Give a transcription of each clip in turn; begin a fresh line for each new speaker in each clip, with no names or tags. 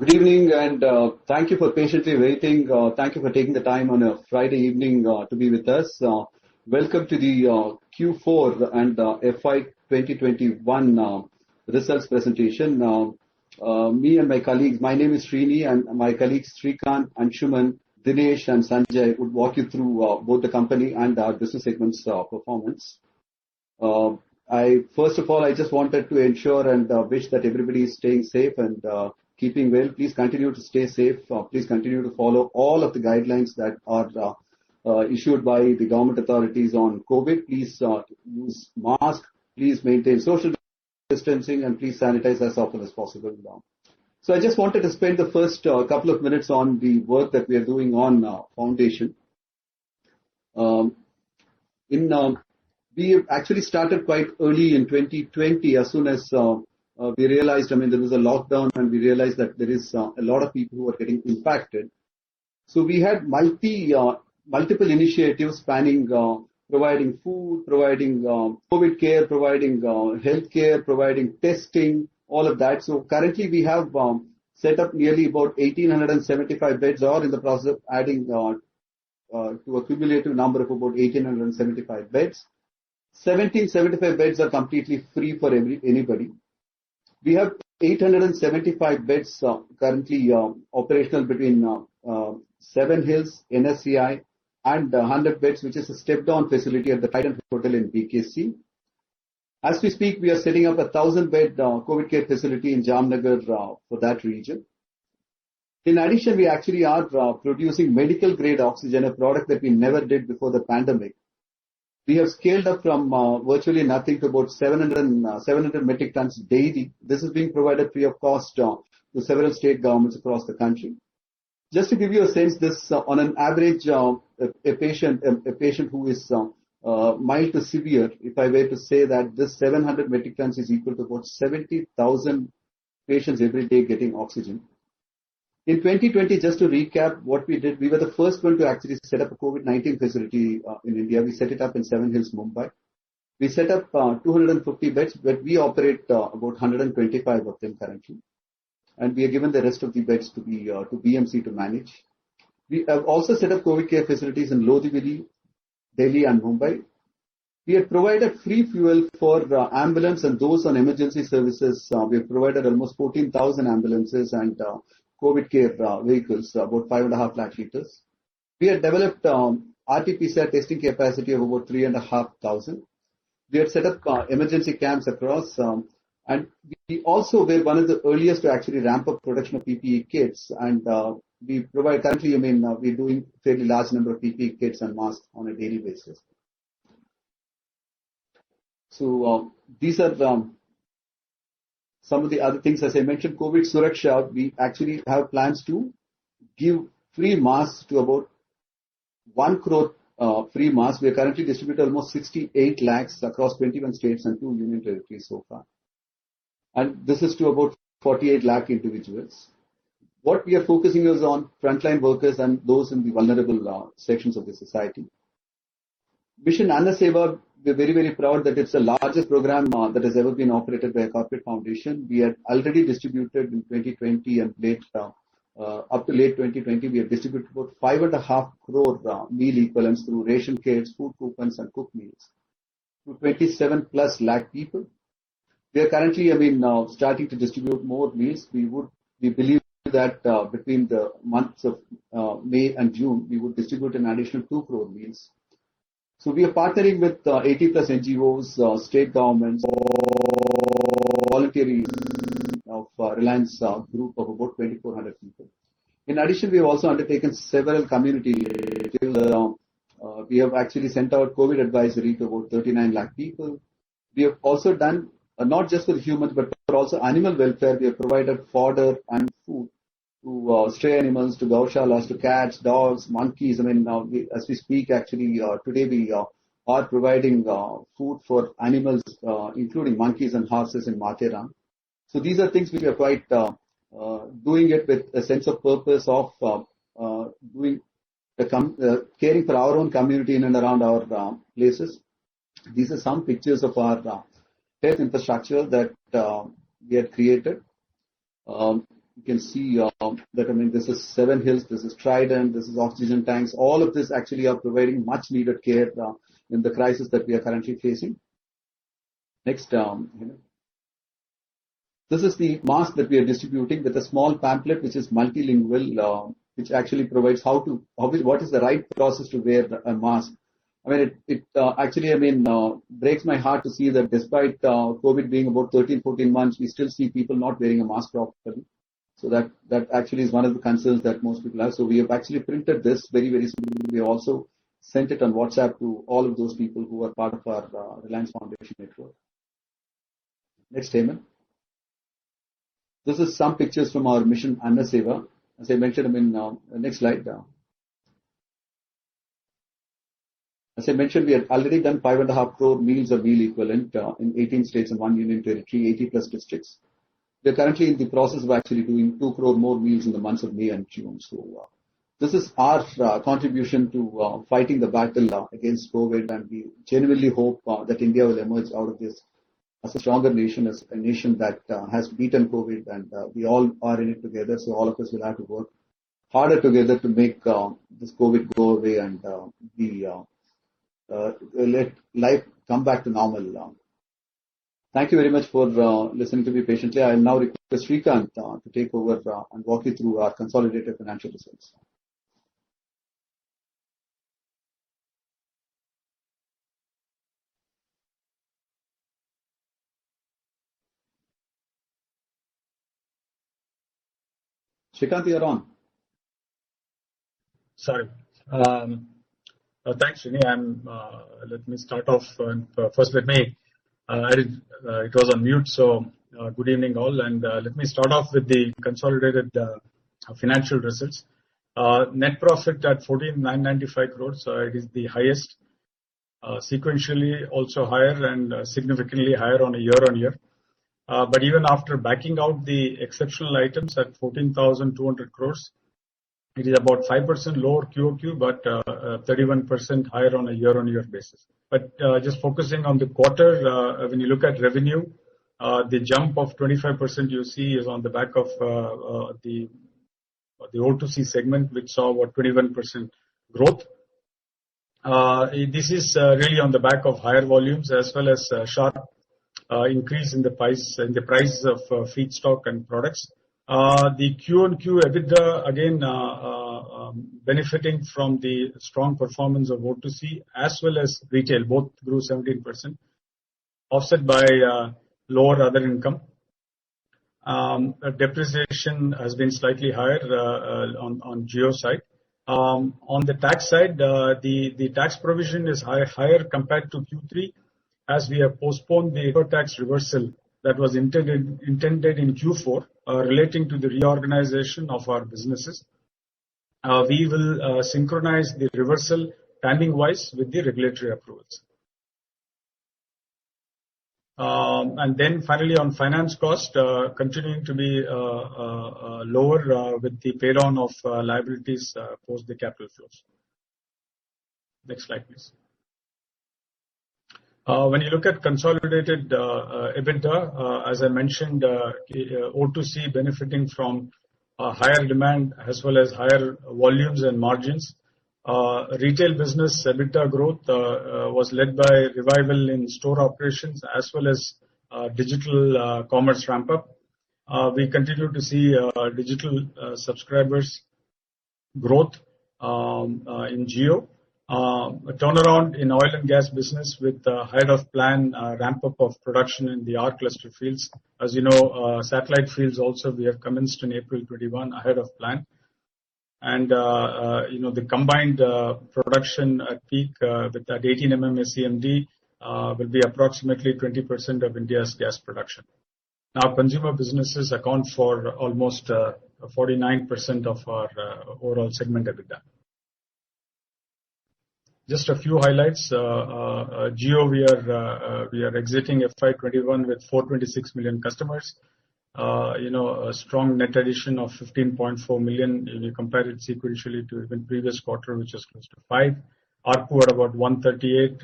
Good evening. Thank you for patiently waiting. Thank you for taking the time on a Friday evening to be with us. Welcome to the Q4 and FY 2021 results presentation. My name is Srini, and my colleagues, Srikanth, Anshuman, Dinesh, and Sanjay, would walk you through both the company and our business segments performance. First of all, I just wanted to ensure and wish that everybody is staying safe and keeping well. Please continue to stay safe. Please continue to follow all of the guidelines that are issued by the government authorities on COVID. Please use mask, please maintain social distancing, and please sanitize as often as possible. I just wanted to spend the first couple of minutes on the work that we are doing on Foundation. We have actually started quite early in 2020, as soon as we realized there was a lockdown and we realized that there is a lot of people who are getting impacted. We had multiple initiatives spanning providing food, providing COVID care, providing healthcare, providing testing, all of that. Currently, we have set up nearly about 1,875 beds or in the process of adding to a cumulative number of about 1,875 beds. 1,775 beds are completely free for anybody. We have 875 beds currently operational between SevenHills, NSCI, and 100 beds, which is a stepped-down facility at the Trident Hotel in BKC. As we speak, we are setting up 1,000-bed COVID care facility in Jamnagar for that region. In addition, we actually are producing medical-grade oxygen, a product that we never did before the pandemic. We have scaled up from virtually nothing to about 700 metric tons daily. This is being provided free of cost to several state governments across the country. Just to give you a sense, on an average, a patient who is mild to severe, if I were to say that this 700 metric tons is equal to about 70,000 patients every day getting oxygen. In 2020, just to recap what we did, we were the first one to actually set up a COVID-19 facility in India. We set it up in SevenHills, Mumbai. We set up 250 beds, we operate about 125 of them currently. We have given the rest of the beds to BMC to manage. We have also set up COVID care facilities in Lodhivali, and Mumbai. We have provided free fuel for ambulance and those on emergency services. We have provided almost 14,000 ambulances and COVID care vehicles, about five and a half lakh liters. We have developed RT-PCR testing capacity of over 3,500. We have set up emergency camps across. We also were one of the earliest to actually ramp up production of PPE kits. Currently, we're doing fairly large number of PPE kits and masks on a daily basis. These are some of the other things. As I mentioned, COVID Suraksha, we actually have plans to give free masks to about 1 crore free masks. We have currently distributed almost 68 lakhs across 21 states and two union territories so far. This is to about 48 lakh individuals. What we are focusing is on frontline workers and those in the vulnerable sections of the society. Mission Anna Seva, we're very proud that it's the largest program that has ever been operated by a corporate foundation. We have already distributed in 2020 and up to late 2020, we have distributed about five and a half crore meal equivalents through ration kits, food coupons, and cooked meals to 27-plus lakh people. We are currently starting to distribute more meals. We believe that between the months of May and June, we would distribute an additional 2 crore meals. We are partnering with 80-plus NGOs, state governments, volunteers of Reliance group of about 2,400 people. We have actually sent out COVID-19 advisory to about 39 lakh people. We have also done, not just for humans, but also animal welfare. We have provided fodder and food to stray animals, to gaushalas, to cats, dogs, monkeys. As we speak, actually, today we are providing food for animals, including monkeys and horses in Matheran. These are things we are quite doing it with a sense of purpose of caring for our own community in and around our places. These are some pictures of our care infrastructure that we have created. You can see that this is Seven Hills, this is Trident, this is oxygen tanks. All of these actually are providing much-needed care in the crisis that we are currently facing. Next. This is the mask that we are distributing with a small pamphlet, which is multilingual, which actually provides what is the right process to wear a mask. It actually breaks my heart to see that despite COVID being about 13, 14 months, we still see people not wearing a mask properly. That actually is one of the concerns that most people have. We have actually printed this very, very smoothly. We also sent it on WhatsApp to all of those people who are part of our Reliance Foundation network. Next statement. This is some pictures from our Mission Anna Seva. As I mentioned, next slide. As I mentioned, we had already done 5.5 crore meals or meal equivalent in 18 states and one union territory, 80-plus districts. We are currently in the process of actually doing 2 crore more meals in the months of May and June. This is our contribution to fighting the battle against COVID, and we genuinely hope that India will emerge out of this as a stronger nation, as a nation that has beaten COVID, and we all are in it together, so all of us will have to work harder together to make this COVID go away and let life come back to normal. Thank you very much for listening to me patiently. I now request Srikanth to take over and walk you through our consolidated financial results. Srikanth, you are on.
Sorry. Thanks, Srini. Let me start off. It was on mute, so good evening, all. Let me start off with the consolidated financial results. Net profit at 14,995 crore. It is the highest. Sequentially also higher and significantly higher on a year-on-year. Even after backing out the exceptional items at 14,200 crore, it is about 5% lower QoQ but 31% higher on a year-on-year basis. Just focusing on the quarter, when you look at revenue, the jump of 25% you see is on the back of the O2C segment, which saw what, 21% growth. This is really on the back of higher volumes as well as a sharp increase in the prices of feedstock and products. The QoQ EBITDA, again, benefiting from the strong performance of O2C as well as retail, both grew 17%, offset by lower other income. Depreciation has been slightly higher on Jio side. On the tax side, the tax provision is higher compared to Q3, as we have postponed the tax reversal that was intended in Q4 relating to the reorganization of our businesses. We will synchronize the reversal timing-wise with the regulatory approvals. Finally, on finance cost, continuing to be lower with the pay-down of liabilities post the capital flows. Next slide, please. When you look at consolidated EBITDA, as I mentioned, O2C benefiting from higher demand as well as higher volumes and margins. Retail business EBITDA growth was led by revival in store operations as well as digital commerce ramp-up. We continue to see digital subscribers growth in Jio. A turnaround in oil and gas business with ahead of plan ramp-up of production in the R Cluster fields. Satellite fields also, we have commenced in April 2021 ahead of plan. The combined production at peak with that 18 MMSCMD will be approximately 20% of India's gas production. Consumer businesses account for almost 49% of our overall segment EBITDA. A few highlights. Jio, we are exiting FY 2021 with 426 million customers. A strong net addition of 15.4 million when you compare it sequentially to even previous quarter, which is close to five. ARPU at about 138.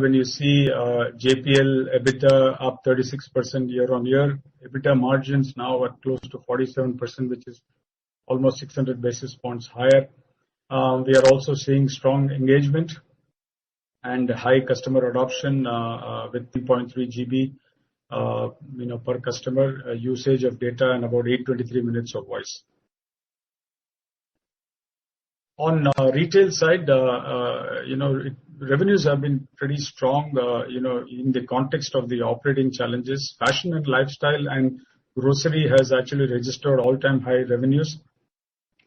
When you see JPL EBITDA up 36% year-on-year. EBITDA margins now at close to 47%, which is almost 600 basis points higher. We are also seeing strong engagement and high customer adoption with 3.3 GB per customer usage of data and about 823 minutes of voice. Retail side, revenues have been pretty strong in the context of the operating challenges. Fashion and lifestyle and grocery has actually registered all-time high revenues.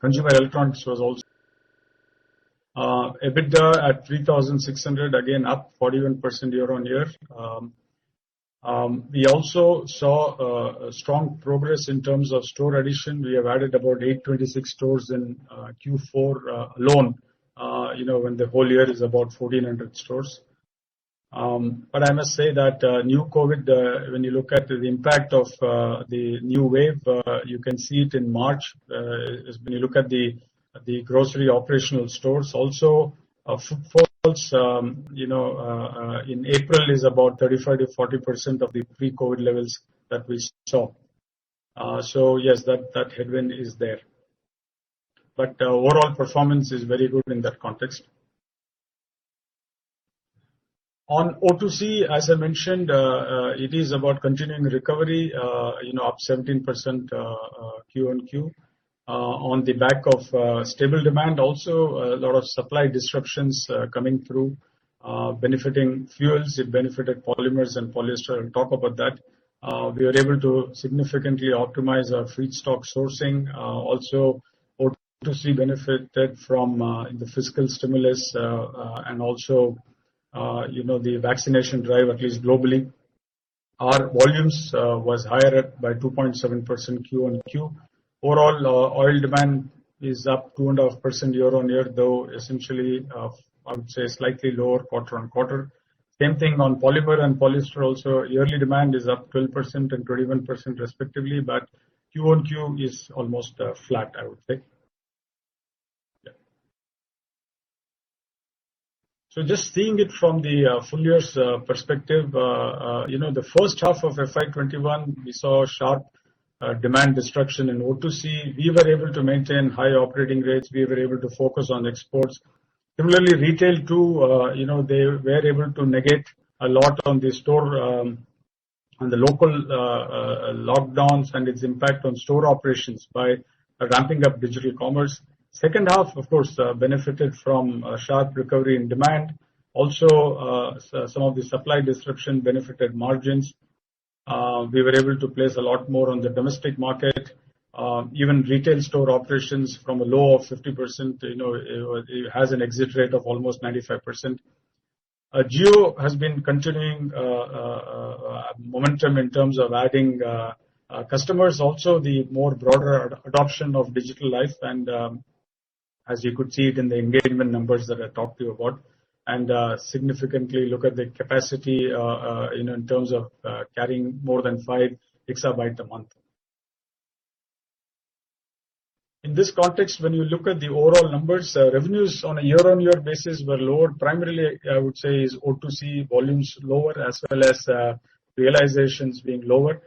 Consumer electronics was also EBITDA at INR 3,600, again up 41% year-on-year. We also saw strong progress in terms of store addition. We have added about 826 stores in Q4 alone when the whole year is about 1,400 stores. I must say that new COVID, when you look at the impact of the new wave, you can see it in March. When you look at the grocery operational stores also, fall, in April is about 35%-40% of the pre-COVID levels that we saw. Yes, that headwind is there. Overall performance is very good in that context. On O2C, as I mentioned, it is about continuing recovery, up 17% QoQ, on the back of stable demand also, a lot of supply disruptions coming through benefiting fuels. It benefited polymers and polyester. I'll talk about that. We are able to significantly optimize our feedstock sourcing. O2C benefited from the fiscal stimulus, and also, the vaccination drive, at least globally. Our volumes was higher by 2.7% QOQ. Overall, oil demand is up 2.5% year-on-year, though essentially, I would say slightly lower quarter-on-quarter. Same thing on polymer and polyester also. Yearly demand is up 12% and 21% respectively, but QOQ is almost flat, I would say. Yeah. Just seeing it from the full year's perspective, the first half of FY 2021, we saw sharp demand destruction in O2C. We were able to maintain high operating rates. We were able to focus on exports. Similarly, Reliance Retail too, they were able to negate a lot on the local lockdowns and its impact on store operations by ramping up digital commerce. Second half, of course, benefited from a sharp recovery in demand. Also, some of the supply disruption benefited margins. We were able to place a lot more on the domestic market. Even retail store operations from a low of 50% has an exit rate of almost 95%. Jio has been continuing momentum in terms of adding customers, also the more broader adoption of digital life and, as you could see it in the engagement numbers that I talked to you about, and significantly look at the capacity in terms of carrying more than 5 exabyte a month. In this context, when you look at the overall numbers, revenues on a year-on-year basis were lower. Primarily, I would say is O2C volumes lower, as well as realizations being lower.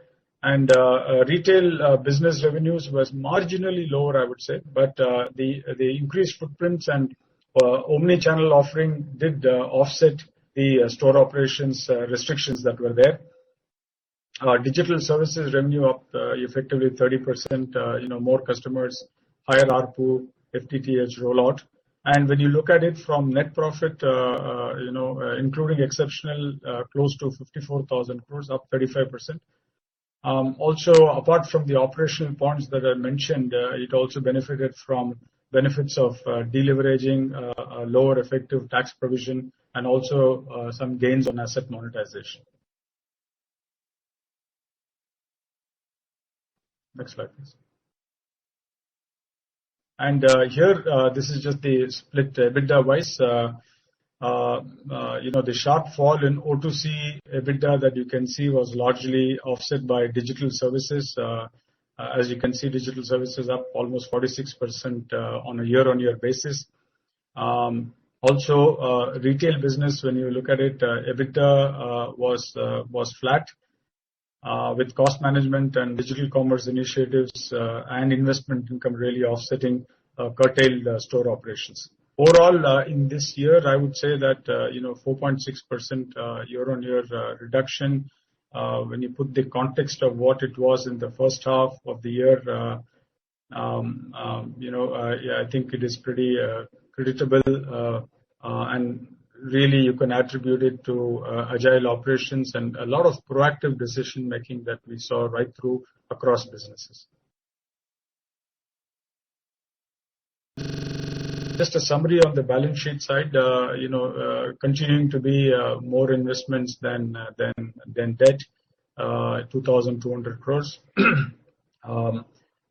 Retail business revenues was marginally lower, I would say. The increased footprints and omni-channel offering did offset the store operations restrictions that were there. Digital services revenue up effectively 30%, more customers, higher ARPU, FTTH rollout. When you look at it from net profit, including exceptional, close to 54,000 crores, up 35%. Apart from the operational points that I mentioned, it also benefited from benefits of deleveraging, lower effective tax provision, and also some gains on asset monetization. Next slide, please. Here, this is just the split EBITDA wise. The sharp fall in O2C EBITDA that you can see was largely offset by Digital services. As you can see, Digital services up almost 46% on a year-on-year basis. Retail business, when you look at it, EBITDA was flat. With cost management and digital commerce initiatives and investment income really offsetting curtailed store operations. In this year, I would say that 4.6% year-on-year reduction, when you put the context of what it was in the first half of the year, I think it is pretty creditable. Really, you can attribute it to agile operations and a lot of proactive decision-making that we saw right through across businesses. Just a summary of the balance sheet side. Continuing to be more investments than debt, 2,200 crore.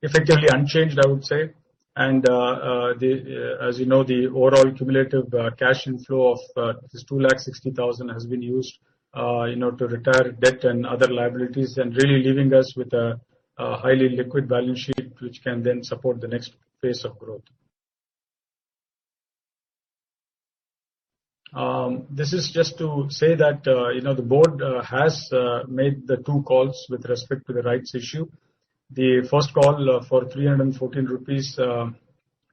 Effectively unchanged, I would say. As you know, the overall cumulative cash inflow of this 260,000 has been used to retire debt and other liabilities, and really leaving us with a highly liquid balance sheet, which can then support the next phase of growth. This is just to say that the board has made the two calls with respect to the rights issue. The first call for 314 rupees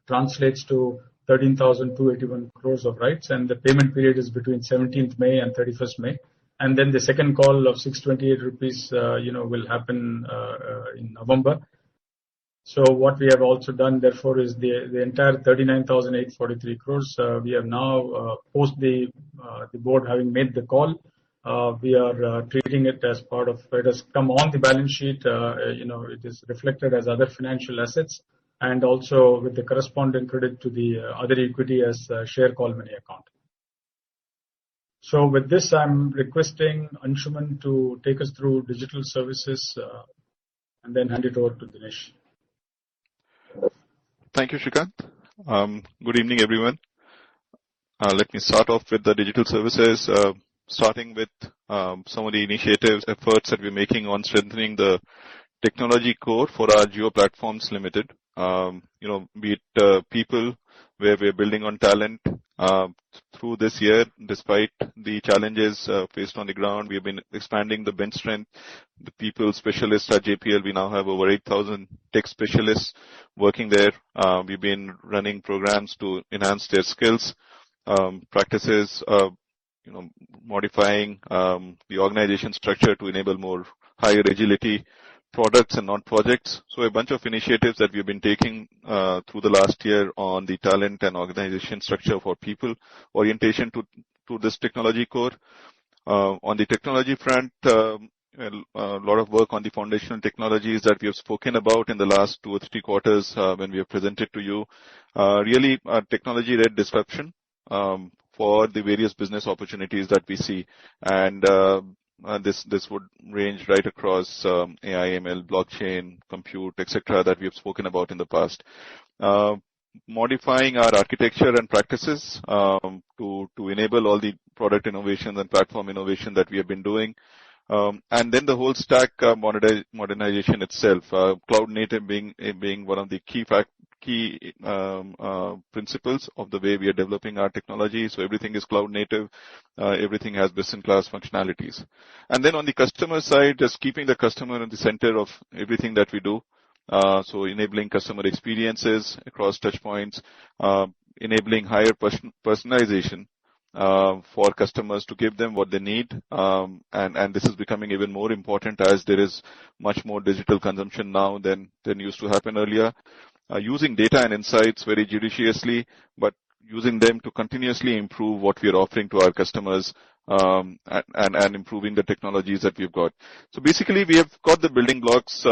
translates to 13,281 crores of rights, and the payment period is between 17th May and 31st May. The second call of 628 rupees will happen in November. What we have also done therefore is the entire 39,843 crores, we have now, post the board having made the call, we are treating it as part of it has come on the balance sheet, it is reflected as other financial assets, and also with the corresponding credit to the other equity as share call money account. With this, I'm requesting Anshuman to take us through digital services, and then hand it over to Dinesh.
Thank you, Srikanth. Good evening, everyone. Let me start off with the digital services. Starting with some of the initiatives, efforts that we're making on strengthening the technology core for our Jio Platforms Limited. Be it people, where we're building on talent. Through this year, despite the challenges faced on the ground, we've been expanding the bench strength. The people specialists at JPL, we now have over 8,000 tech specialists working there. We've been running programs to enhance their skills, practices, modifying the organization structure to enable more higher agility, products and on projects. A bunch of initiatives that we've been taking through the last year on the talent and organization structure for people. Orientation to this technology core. On the technology front, a lot of work on the foundational technologies that we have spoken about in the last two or three quarters when we have presented to you. Really, a technology-led disruption for the various business opportunities that we see. This would range right across AI, ML, blockchain, compute, et cetera, that we have spoken about in the past. Modifying our architecture and practices to enable all the product innovation and platform innovation that we have been doing. The whole stack modernization itself, cloud-native being one of the key principles of the way we are developing our technology. Everything is cloud-native, everything has best-in-class functionalities. On the customer side, just keeping the customer at the center of everything that we do. Enabling customer experiences across touch points, enabling higher personalization for customers to give them what they need. This is becoming even more important as there is much more digital consumption now than used to happen earlier. Using data and insights very judiciously, but using them to continuously improve what we are offering to our customers, and improving the technologies that we've got. Basically, we have got the building blocks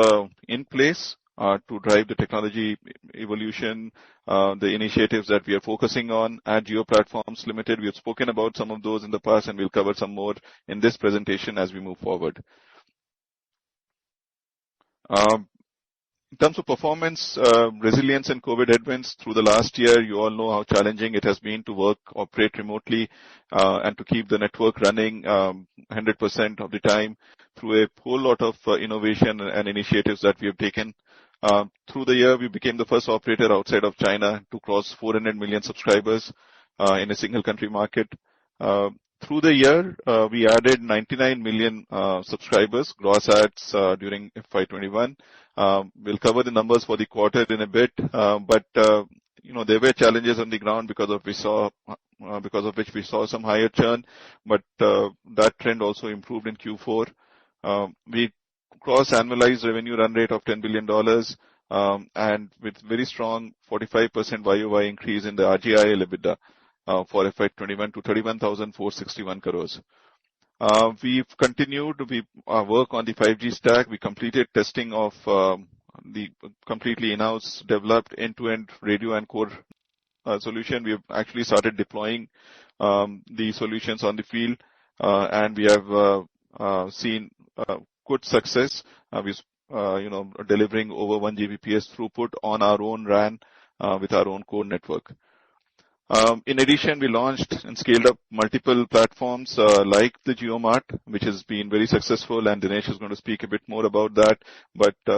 in place to drive the technology evolution, the initiatives that we are focusing on at Jio Platforms Limited. We have spoken about some of those in the past, and we'll cover some more in this presentation as we move forward. In terms of performance, resilience, and COVID headwinds through the last year, you all know how challenging it has been to work, operate remotely, and to keep the network running 100% of the time through a whole lot of innovation and initiatives that we have taken. Through the year, we became the first operator outside of China to cross 400 million subscribers in a single country market. Through the year, we added 99 million subscribers, gross adds, during FY 2021. We'll cover the numbers for the quarter in a bit. There were challenges on the ground because of which we saw some higher churn, but that trend also improved in Q4. We crossed annualized revenue run rate of $10 billion, with very strong 45% Y-o-Y increase in the OIBDA for FY 2021 to 31,461 crore. We've continued our work on the 5G stack. We completed testing of the completely in-house developed end-to-end radio and core solution. We have actually started deploying the solutions on the field, we have seen good success with delivering over 1 Gbps throughput on our own RAN with our own core network. In addition, we launched and scaled up multiple platforms, like the JioMart, which has been very successful, Dinesh is going to speak a bit more about that.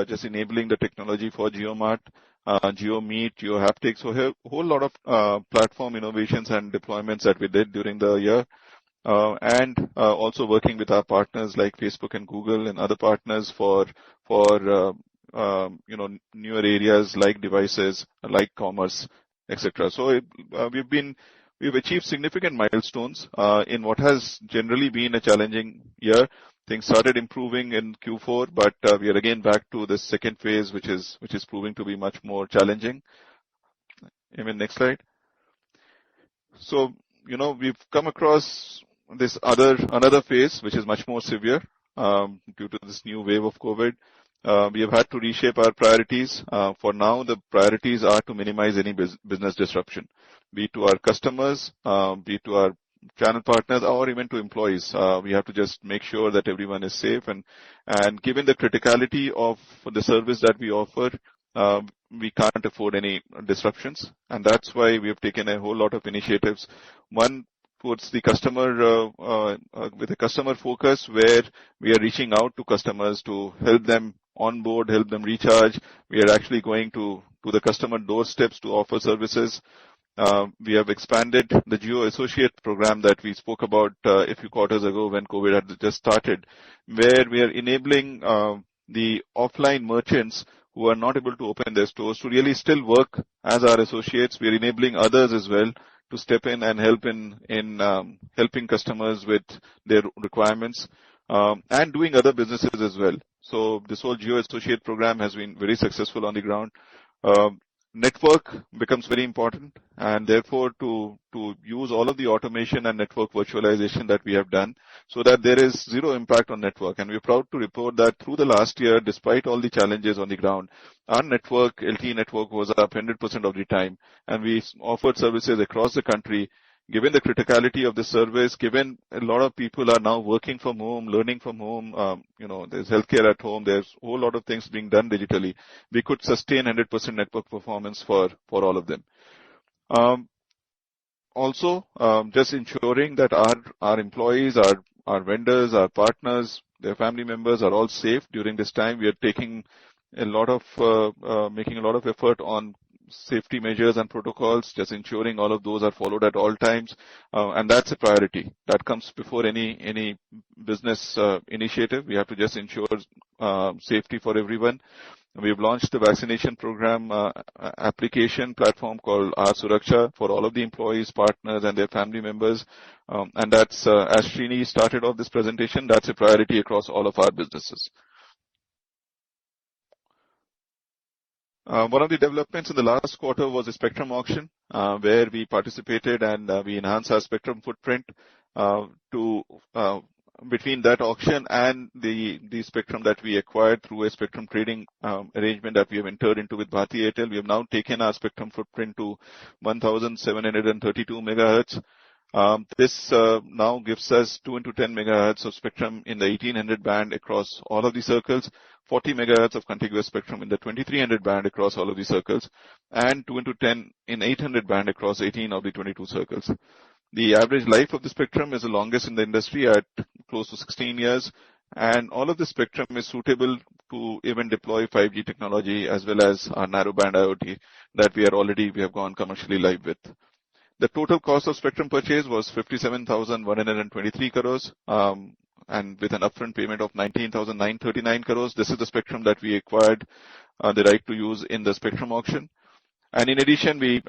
Just enabling the technology for JioMart, JioMeet, JioHaptik. Whole lot of platform innovations and deployments that we did during the year. Also working with our partners like Facebook and Google and other partners for newer areas like devices, like commerce, et cetera. We've achieved significant milestones, in what has generally been a challenging year. Things started improving in Q4, but we are again back to the phase 2, which is proving to be much more challenging. Hemant, next slide. We've come across this another phase, which is much more severe, due to this new wave of COVID-19. We have had to reshape our priorities. For now, the priorities are to minimize any business disruption, be it to our customers, be it to our channel partners, or even to employees. We have to just make sure that everyone is safe. Given the criticality of the service that we offer, we can't afford any disruptions, and that's why we have taken a whole lot of initiatives. One, with the customer focus, where we are reaching out to customers to help them onboard, help them recharge. We are actually going to the customer doorsteps to offer services. We have expanded the Jio Associate Program that we spoke about a few quarters ago when COVID had just started, where we are enabling the offline merchants who are not able to open their stores to really still work as our associates. We are enabling others as well to step in and help in helping customers with their requirements, and doing other businesses as well. This whole Jio Associate Program has been very successful on the ground. Network becomes very important, and therefore, to use all of the automation and network virtualization that we have done so that there is zero impact on network. We are proud to report that through the last year, despite all the challenges on the ground, our network, LTE network, was up 100% of the time, and we offered services across the country. Given the criticality of the service, given a lot of people are now working from home, learning from home, there's healthcare at home, there's whole lot of things being done digitally. We could sustain 100% network performance for all of them. Just ensuring that our employees, our vendors, our partners, their family members are all safe during this time. We are making a lot of effort on safety measures and protocols, just ensuring all of those are followed at all times. That's a priority. That comes before any business initiative. We have to just ensure safety for everyone. We have launched the vaccination program application platform called R-Suraksha for all of the employees, partners, and their family members. As Srini started off this presentation, that's a priority across all of our businesses. One of the developments in the last quarter was a spectrum auction, where we participated, and we enhanced our spectrum footprint. Between that auction and the spectrum that we acquired through a spectrum trading arrangement that we have entered into with Bharti Airtel, we have now taken our spectrum footprint to 1,732 MHz. This now gives us two into 10 MHz of spectrum in the 1800 band across all of the circles, 40 MHz of contiguous spectrum in the 2300 band across all of the circles, and two into 10 in 800 band across 18 of the 22 circles. The average life of the spectrum is the longest in the industry at close to 16 years, and all of the spectrum is suitable to even deploy 5G technology as well as our narrowband IoT that we have already gone commercially live with. The total cost of spectrum purchase was 57,123 crores, and with an upfront payment of 19,939 crores. This is the spectrum that we acquired the right to use in the spectrum auction. In addition, we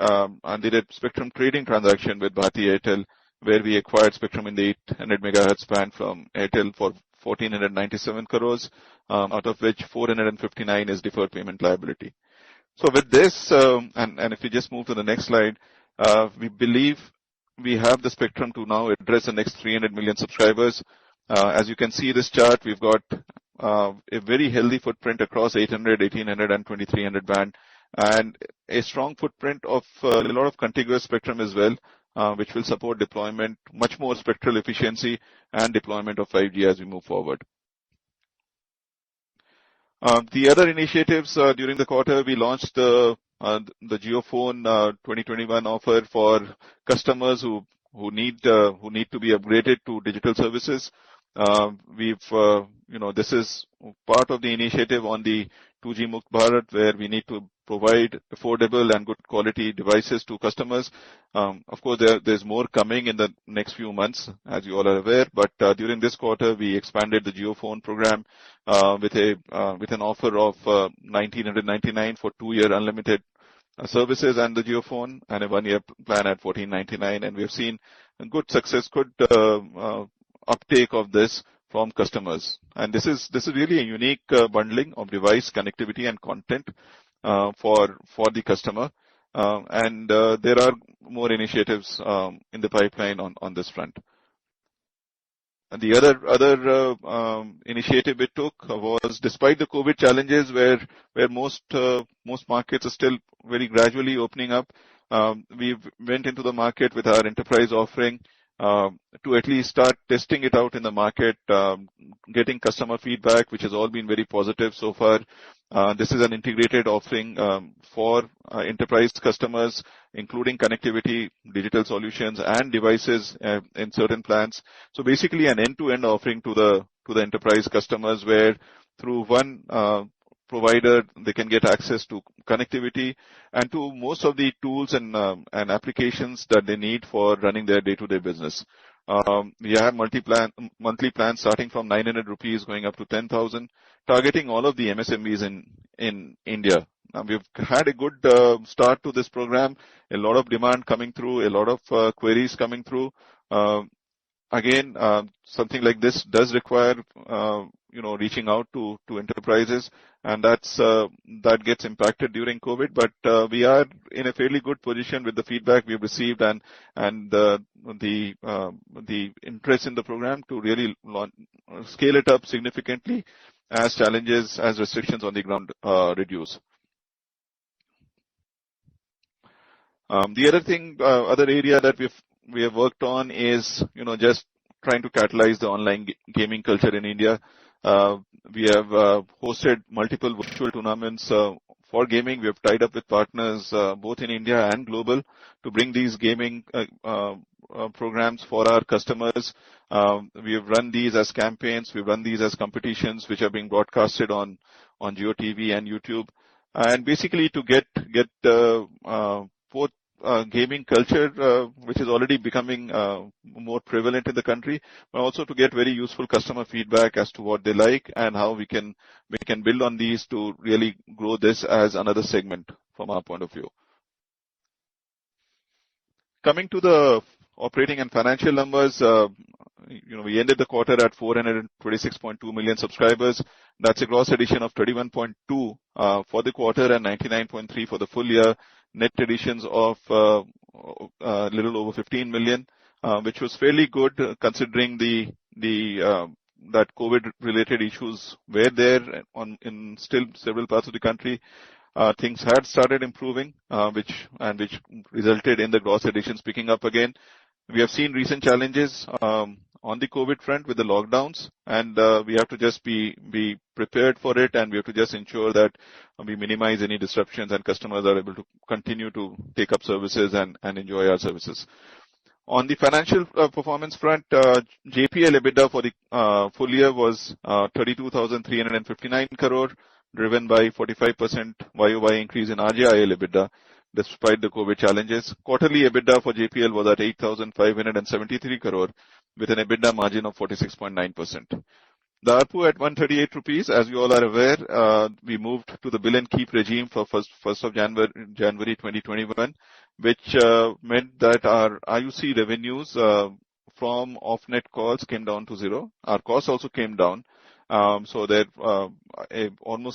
did a spectrum trading transaction with Bharti Airtel, where we acquired spectrum in the 800 MHz band from Airtel for 1,497 crores, out of which 459 is deferred payment liability. With this, and if you just move to the next slide, we believe we have the spectrum to now address the next 300 million subscribers. As you can see this chart, we've got a very healthy footprint across 800, 1,800, and 2,300 band, and a strong footprint of a lot of contiguous spectrum as well, which will support deployment, much more spectral efficiency, and deployment of 5G as we move forward. The other initiatives, during the quarter, we launched the JioPhone 2021 offer for customers who need to be upgraded to digital services. This is part of the initiative on the 2G Mukt Bharat, where we need to provide affordable and good quality devices to customers. Of course, there's more coming in the next few months, as you all are aware. During this quarter, we expanded the JioPhone program, with an offer of 1,999 for two-year unlimited services and the JioPhone, and a one-year plan at 1,499. We have seen good success, good uptake of this from customers. This is really a unique bundling of device connectivity and content, for the customer. There are more initiatives in the pipeline on this front. The other initiative we took was despite the COVID-19 challenges, where most markets are still very gradually opening up, we've went into the market with our enterprise offering, to at least start testing it out in the market, getting customer feedback, which has all been very positive so far. This is an integrated offering for enterprise customers, including connectivity, digital solutions, and devices in certain plans. Basically an end-to-end offering to the enterprise customers where through one provider, they can get access to connectivity and to most of the tools and applications that they need for running their day-to-day business. We have monthly plans starting from 900 rupees going up to 10,000, targeting all of the MSMEs in India. We've had a good start to this program, a lot of demand coming through, a lot of queries coming through. Again, something like this does require reaching out to enterprises, and that gets impacted during COVID-19, but, we are in a fairly good position with the feedback we've received and the interest in the program to really scale it up significantly as restrictions on the ground reduce. The other area that we've worked on is just trying to catalyze the online gaming culture in India. We have hosted multiple virtual tournaments for gaming. We have tied up with partners, both in India and global, to bring these gaming programs for our customers. We have run these as campaigns. We've run these as competitions, which are being broadcasted on JioTV and YouTube. Basically to get the gaming culture, which is already becoming more prevalent in the country, but also to get very useful customer feedback as to what they like and how we can build on these to really grow this as another segment from our point of view. Coming to the operating and financial numbers. We ended the quarter at 426.2 million subscribers. That's a gross addition of 31.2 for the quarter and 99.3 for the full year. Net additions of little over 15 million, which was fairly good considering that COVID-related issues were there in still several parts of the country. Which resulted in the gross additions picking up again. We have seen recent challenges, on the COVID-19 front with the lockdowns, and we have to just be prepared for it, and we have to just ensure that we minimize any disruptions and customers are able to continue to take up services and enjoy our services. On the financial performance front, JPL EBITDA for the full year was 32,359 crore, driven by 45% YoY increase in RJIL EBITDA despite the COVID-19 challenges. Quarterly EBITDA for JPL was at 8,573 crore, with an EBITDA margin of 46.9%. The ARPU at 138 rupees. As you all are aware, we moved to the bill and keep regime for 1st of January 2021, which meant that our IUC revenues from off-net calls came down to zero. Our costs also came down, almost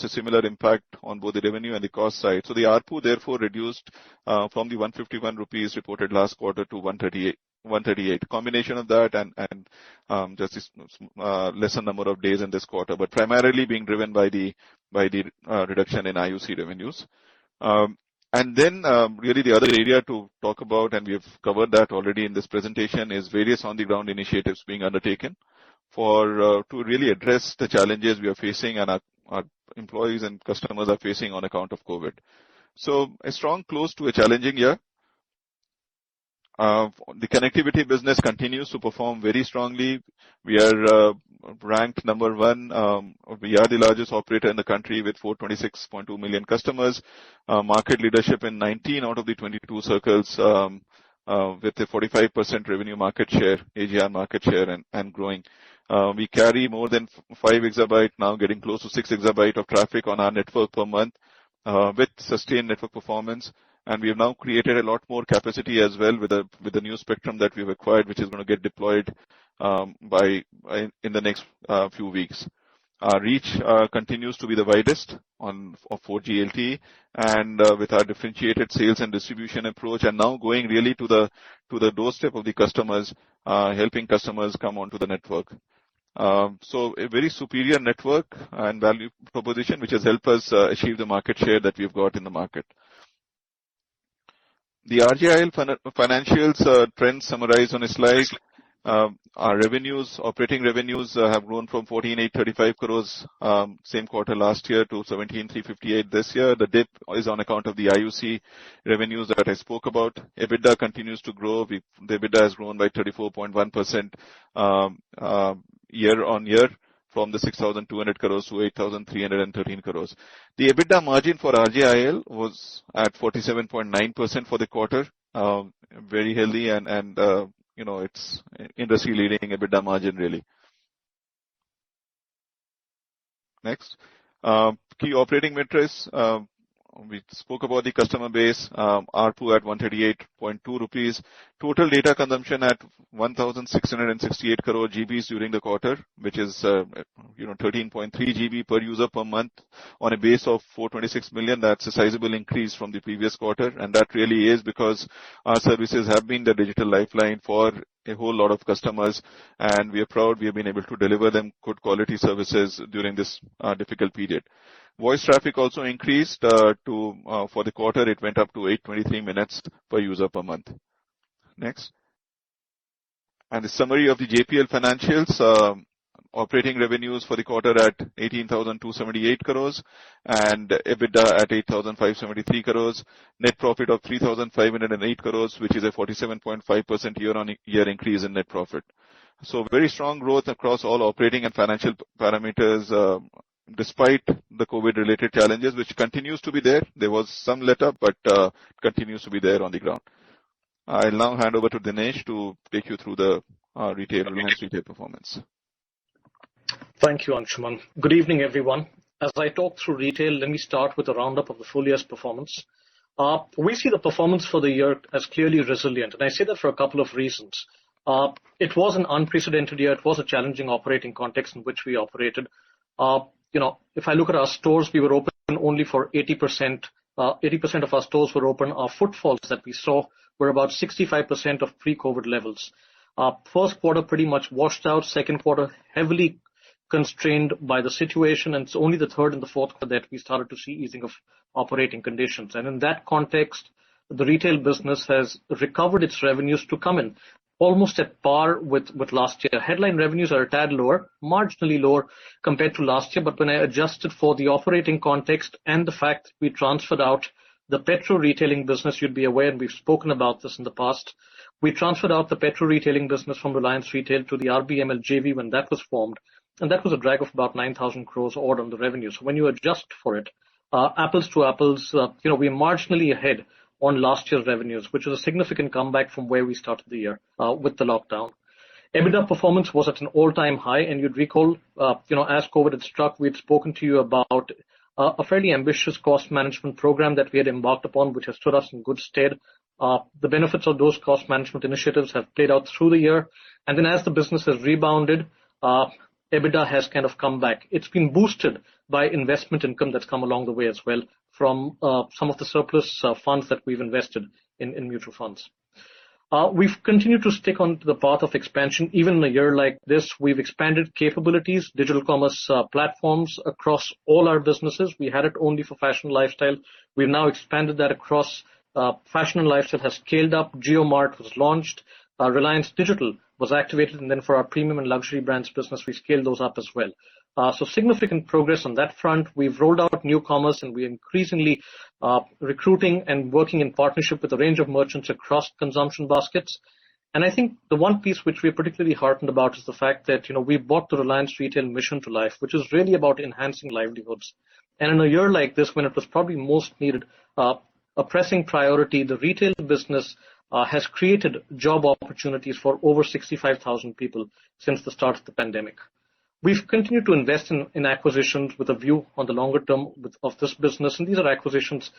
a similar impact on both the revenue and the cost side. The ARPU therefore reduced, from the ₹151 reported last quarter to 138. Combination of that and just lesser number of days in this quarter. Primarily being driven by the reduction in IUC revenues. Then, really the other area to talk about, and we have covered that already in this presentation, is various on the ground initiatives being undertaken to really address the challenges we are facing and our employees and customers are facing on account of COVID-19. A strong close to a challenging year. The connectivity business continues to perform very strongly. We are ranked number one. We are the largest operator in the country with 426.2 million customers. Market leadership in 19 out of the 22 circles, with a 45% revenue market share, AGR market share, and growing. We carry more than 5 exabyte now, getting close to 6 exabyte of traffic on our network per month, with sustained network performance. We have now created a lot more capacity as well with the new spectrum that we've acquired, which is going to get deployed in the next few weeks. Our reach continues to be the widest on 4G LTE, and with our differentiated sales and distribution approach, and now going really to the doorstep of the customers, helping customers come onto the network. A very superior network and value proposition, which has helped us achieve the market share that we've got in the market. The RJIL financials trends summarized on a slide. Our operating revenues have grown from 14,835 crore same quarter last year, to 17,358 crore this year. The dip is on account of the IUC revenues that I spoke about. EBITDA continues to grow. The EBITDA has grown by 34.1% year-on-year from the 6,200 crore to 8,313 crore. The EBITDA margin for RJIL was at 47.9% for the quarter. Very healthy, it's industry leading EBITDA margin really. Next. Key operating metrics. We spoke about the customer base, ARPU at 138.2 rupees. Total data consumption at 1,668 crore GB during the quarter, which is 13.3 GB per user per month on a base of 426 million. That's a sizable increase from the previous quarter, and that really is because our services have been the digital lifeline for a whole lot of customers, and we are proud we have been able to deliver them good quality services during this difficult period. Voice traffic also increased. For the quarter, it went up to 823 minutes per user per month. Next. The summary of the JPL financials. Operating revenues for the quarter at 18,278 crores and EBITDA at 8,573 crores. Net profit of 3,508 crores, which is a 47.5% year-on-year increase in net profit. Very strong growth across all operating and financial parameters, despite the COVID-19 related challenges, which continues to be there. There was some letup, but continues to be there on the ground. I'll now hand over to Dinesh to take you through the Reliance Retail performance.
Thank you, Anshuman. Good evening, everyone. I talk through Reliance Retail, let me start with a roundup of the full year's performance. We see the performance for the year as clearly resilient, I say that for a couple of reasons. It was an unprecedented year. It was a challenging operating context in which we operated. I look at our stores, we were open only for 80%. 80% of our stores were open. Our footfalls that we saw were about 65% of pre-COVID-19 levels. First quarter pretty much washed out, second quarter heavily constrained by the situation, it's only the third and the fourth quarter that we started to see easing of operating conditions. In that context, the Reliance Retail business has recovered its revenues to come in almost at par with last year. Headline revenues are a tad lower, marginally lower compared to last year. When I adjusted for the operating context and the fact we transferred out the petrol retailing business, you'd be aware, and we've spoken about this in the past. We transferred out the petrol retailing business from Reliance Retail to the Jio-bp JV when that was formed, and that was a drag of about 9,000 crore odd on the revenues. When you adjust for it, apples to apples, we are marginally ahead on last year's revenues, which is a significant comeback from where we started the year with the lockdown. EBITDA performance was at an all-time high, and you'd recall, as COVID-19 had struck, we had spoken to you about a fairly ambitious cost management program that we had embarked upon, which has stood us in good stead. The benefits of those cost management initiatives have played out through the year. Then as the business has rebounded, EBITDA has kind of come back. It's been boosted by investment income that's come along the way as well from some of the surplus funds that we've invested in mutual funds. We've continued to stick on the path of expansion. Even in a year like this, we've expanded capabilities, digital commerce platforms across all our businesses. We had it only for fashion and lifestyle. We've now expanded that across. Fashion and lifestyle has scaled up. JioMart was launched. Reliance Digital was activated. Then for our premium and luxury brands business, we scaled those up as well. Significant progress on that front. We've rolled out new commerce, and we're increasingly recruiting and working in partnership with a range of merchants across consumption baskets. I think the one piece which we're particularly heartened about is the fact that we brought the Reliance Retail mission to life, which is really about enhancing livelihoods. In a year like this, when it was probably most needed, a pressing priority, the retail business has created job opportunities for over 65,000 people since the start of the pandemic. We've continued to invest in acquisitions with a view on the longer term of this business. These are acquisitions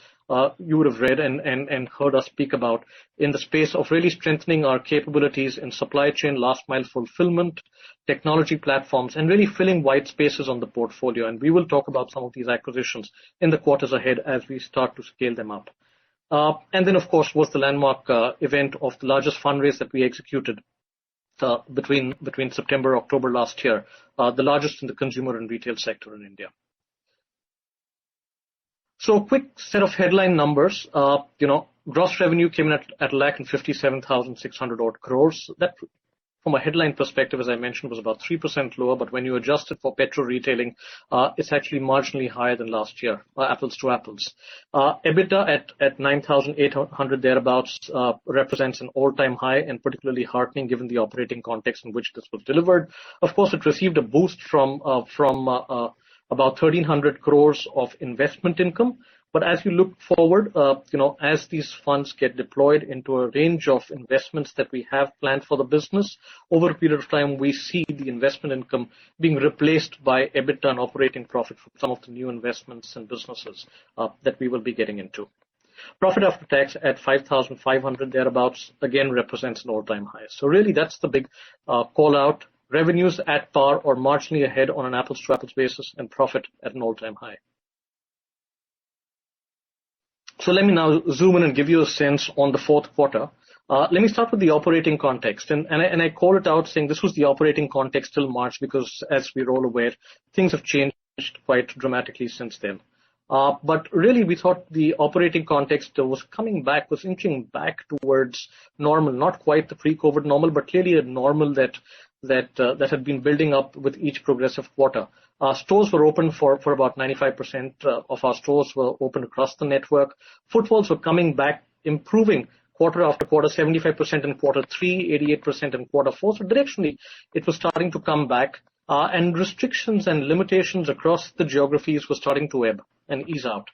you would have read and heard us speak about in the space of really strengthening our capabilities in supply chain, last mile fulfillment, technology platforms, and really filling white spaces on the portfolio. We will talk about some of these acquisitions in the quarters ahead as we start to scale them up. Of course, was the landmark event of the largest fundraise that we executed between September, October last year, the largest in the consumer and retail sector in India. A quick set of headline numbers. Gross revenue came in at 1,57,600 odd crores. From a headline perspective, as I mentioned, it was about 3% lower, but when you adjust it for petrol retailing, it's actually marginally higher than last year, apples to apples. EBITDA at 9,800 thereabouts, represents an all-time high, and particularly heartening given the operating context in which this was delivered. Of course, it received a boost from about 1,300 crores of investment income. As we look forward, as these funds get deployed into a range of investments that we have planned for the business, over a period of time, we see the investment income being replaced by EBITDA and operating profit from some of the new investments and businesses that we will be getting into. Profit after tax at 5,500 thereabouts, again, represents an all-time high. Really that's the big call-out. Revenues at par or marginally ahead on an apples-to-apples basis, and profit at an all-time high. Let me now zoom in and give you a sense on the fourth quarter. Let me start with the operating context, and I call it out saying this was the operating context till March, because as we're all aware, things have changed quite dramatically since then. Really, we thought the operating context was inching back towards normal. Not quite the pre-COVID normal, clearly a normal that had been building up with each progressive quarter. Stores were open for about 95% of our stores were open across the network. Footfalls were coming back, improving quarter-after-quarter, 75% in Q3, 88% in Q4. Directionally, it was starting to come back, restrictions and limitations across the geographies were starting to ebb and ease out.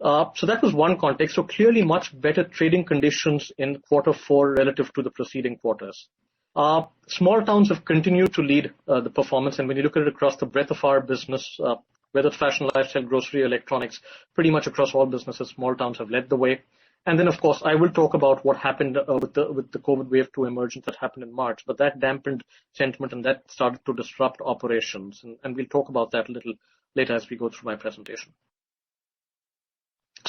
That was one context. Clearly much better trading conditions in Q4 relative to the preceding quarters. Small towns have continued to lead the performance. When you look at it across the breadth of our business, whether it's fashion, lifestyle, grocery, electronics, pretty much across all businesses, small towns have led the way. Of course, I will talk about what happened with the COVID wave 2 emergence that happened in March. That dampened sentiment, and that started to disrupt operations. We'll talk about that a little later as we go through my presentation.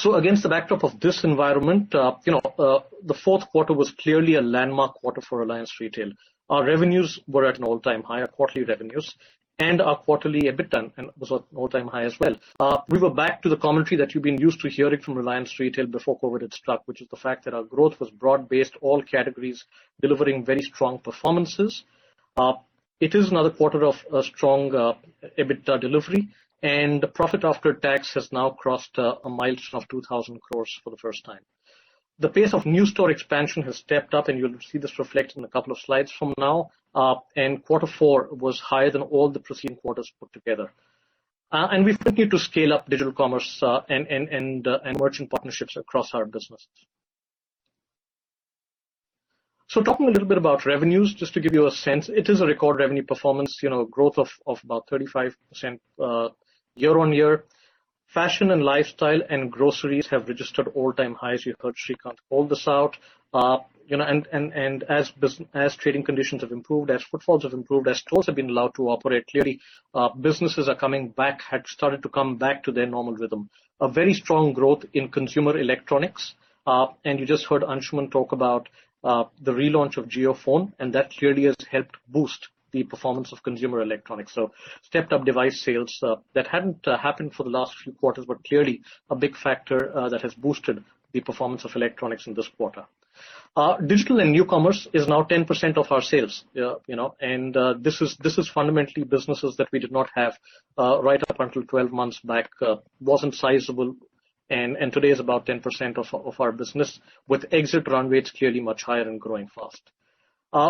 Against the backdrop of this environment, the fourth quarter was clearly a landmark quarter for Reliance Retail. Our revenues were at an all-time high, our quarterly revenues, and our quarterly EBITDA was at an all-time high as well. We were back to the commentary that you've been used to hearing from Reliance Retail before COVID had struck, which is the fact that our growth was broad-based, all categories delivering very strong performances. It is another quarter of a strong EBITDA delivery, and the profit after tax has now crossed a milestone of 2,000 crores for the first time. The pace of new store expansion has stepped up, and you'll see this reflected in a couple of slides from now. Q4 was higher than all the preceding quarters put together. We've continued to scale up digital commerce and merchant partnerships across our businesses. Talking a little bit about revenues, just to give you a sense, it is a record revenue performance, growth of about 35% year-on-year. Fashion and lifestyle and groceries have registered all-time highs. You heard Srikanth call this out. As trading conditions have improved, as footfalls have improved, as stores have been allowed to operate, clearly businesses are coming back, had started to come back to their normal rhythm. A very strong growth in consumer electronics, and you just heard Anshuman talk about the relaunch of JioPhone, and that clearly has helped boost the performance of consumer electronics. Stepped up device sales that hadn't happened for the last few quarters, were clearly a big factor that has boosted the performance of electronics in this quarter. Digital and New Commerce is now 10% of our sales. This is fundamentally businesses that we did not have right up until 12 months back. Wasn't sizable, and today is about 10% of our business. With exit run rate, it's clearly much higher and growing fast.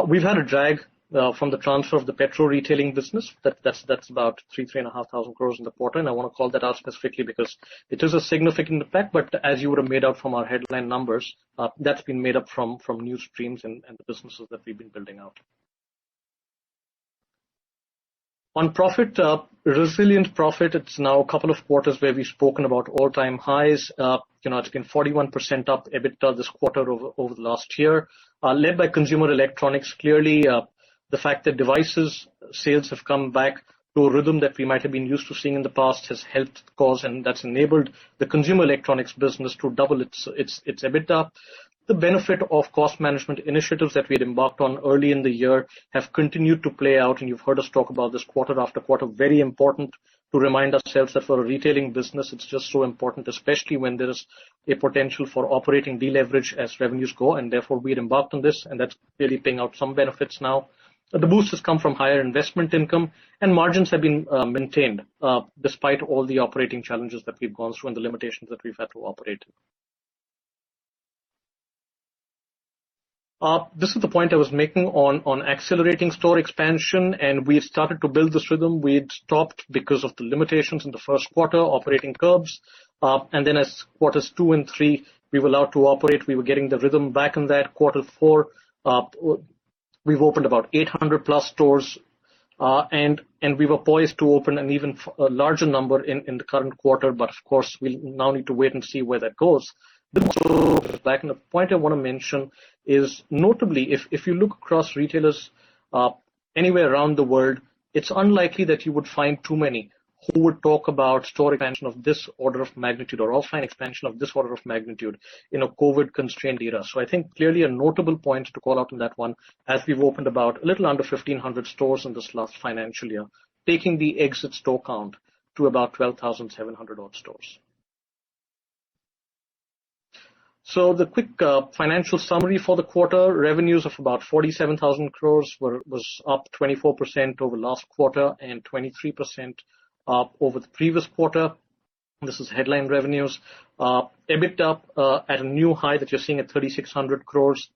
We've had a drag from the transfer of the petrol retailing business. That's about 3,000 crore, 3,500 crore in the quarter. I want to call that out specifically because it is a significant impact. As you would have made out from our headline numbers, that's been made up from new streams and the businesses that we've been building out. On profit, resilient profit. It's now a couple of quarters where we've spoken about all-time highs. It's been 41% up EBITDA this quarter over the last year, led by consumer electronics. Clearly, the fact that devices sales have come back to a rhythm that we might have been used to seeing in the past has helped cause, and that's enabled the consumer electronics business to double its EBITDA. The benefit of cost management initiatives that we had embarked on early in the year have continued to play out, and you've heard us talk about this quarter after quarter. Very important to remind ourselves that for a retailing business, it's just so important, especially when there's a potential for operating deleverage as revenues grow, and therefore we'd embarked on this, and that's really paying out some benefits now. The boost has come from higher investment income, and margins have been maintained despite all the operating challenges that we've gone through and the limitations that we've had to operate in. This is the point I was making on accelerating store expansion, and we had started to build this rhythm. We'd stopped because of the limitations in the first quarter, operating curbs. As quarters two and three, we were allowed to operate. We were getting the rhythm back in that. Quarter four, we've opened about 800-plus stores, and we were poised to open an even larger number in the current quarter. Of course, we now need to wait and see where that goes. The point I want to mention is notably, if you look across retailers anywhere around the world, it's unlikely that you would find too many who would talk about store expansion of this order of magnitude or offline expansion of this order of magnitude in a COVID-constrained era. I think clearly a notable point to call out on that one, as we've opened about a little under 1,500 stores in this last financial year, taking the exit store count to about 12,700-odd stores. The quick financial summary for the quarter, revenues of about ₹47,000 crores was up 24% over last quarter and 23% up over the previous quarter. This is headline revenues. EBIT up at a new high that you're seeing at ₹3,600 crores.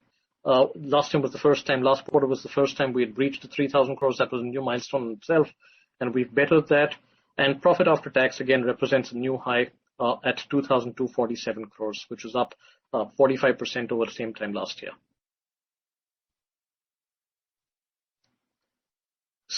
Last quarter was the first time we had reached ₹3,000 crores. That was a new milestone in itself, and we've bettered that. Profit after tax, again, represents a new high at ₹2,247 crores, which is up 45% over the same time last year.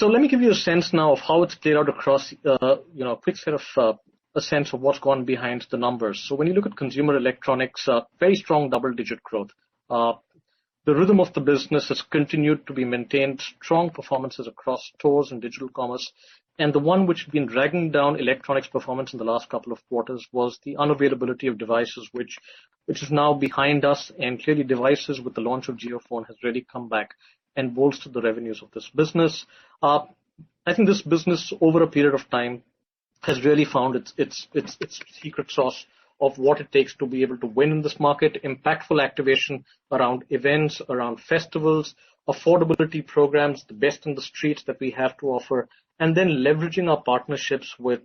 Let me give you a sense now of how it's played out across, a quick sense of what's gone behind the numbers. When you look at consumer electronics, very strong double-digit growth. The rhythm of the business has continued to be maintained. Strong performances across stores and digital commerce. The one which had been dragging down electronics performance in the last couple of quarters was the unavailability of devices, which is now behind us. Clearly, devices with the launch of JioPhone has really come back and bolstered the revenues of this business. I think this business, over a period of time, has really found its secret sauce of what it takes to be able to win in this market. Impactful activation around events, around festivals, affordability programs, the best in the streets that we have to offer. Then leveraging our partnerships with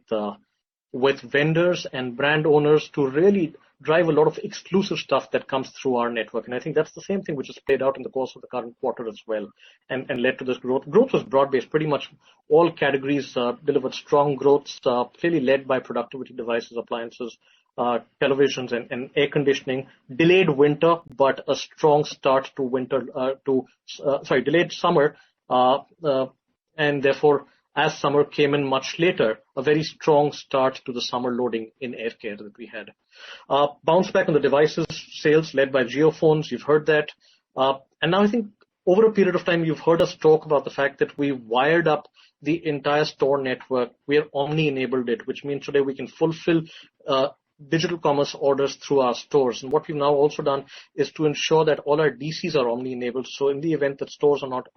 vendors and brand owners to really drive a lot of exclusive stuff that comes through our network. I think that's the same thing which has played out in the course of the current quarter as well and led to this growth. Growth was broad-based. Pretty much all categories delivered strong growth, clearly led by productivity devices, appliances, televisions, and air conditioning. Delayed summer, and therefore, as summer came in much later, a very strong start to the summer loading in air care that we had. Bounce back on the devices sales led by JioPhones, you've heard that. Now I think over a period of time, you've heard us talk about the fact that we wired up the entire store network. We have omni-enabled it, which means today we can fulfill digital commerce orders through our stores. What we've now also done is to ensure that all our DCs are omni-enabled, so in the event that stores are not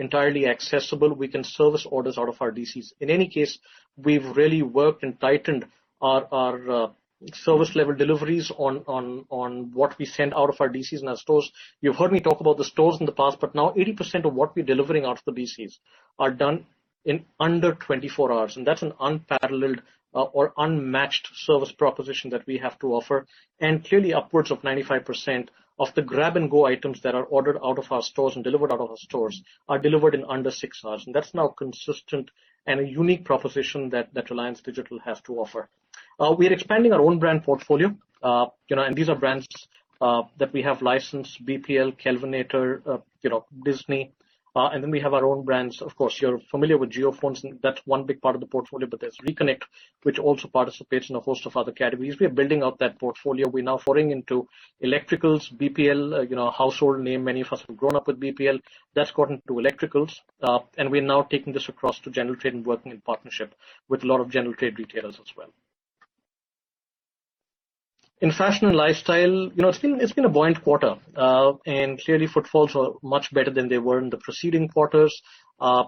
entirely accessible, we can service orders out of our DCs. In any case, we've really worked and tightened our service level deliveries on what we send out of our DCs and our stores. You've heard me talk about the stores in the past, but now 80% of what we're delivering out of the DCs are done in under 24 hours. That's an unparalleled or unmatched service proposition that we have to offer. Clearly upwards of 95% of the grab-and-go items that are ordered out of our stores and delivered out of our stores are delivered in under six hours. That's now a consistent and a unique proposition that Reliance Digital has to offer. We're expanding our own brand portfolio, and these are brands that we have licensed, BPL, Kelvinator, Disney. Then we have our own brands. Of course, you're familiar with JioPhones, and that's one big part of the portfolio, but there's ReConnect, which also participates in a host of other categories. We are building out that portfolio. We're now foraying into electricals, BPL, a household name. Many of us have grown up with BPL. That's got into electricals. We are now taking this across to general trade and working in partnership with a lot of general trade retailers as well. In fashion and lifestyle, it's been a buoyant quarter. Clearly footfalls are much better than they were in the preceding quarters.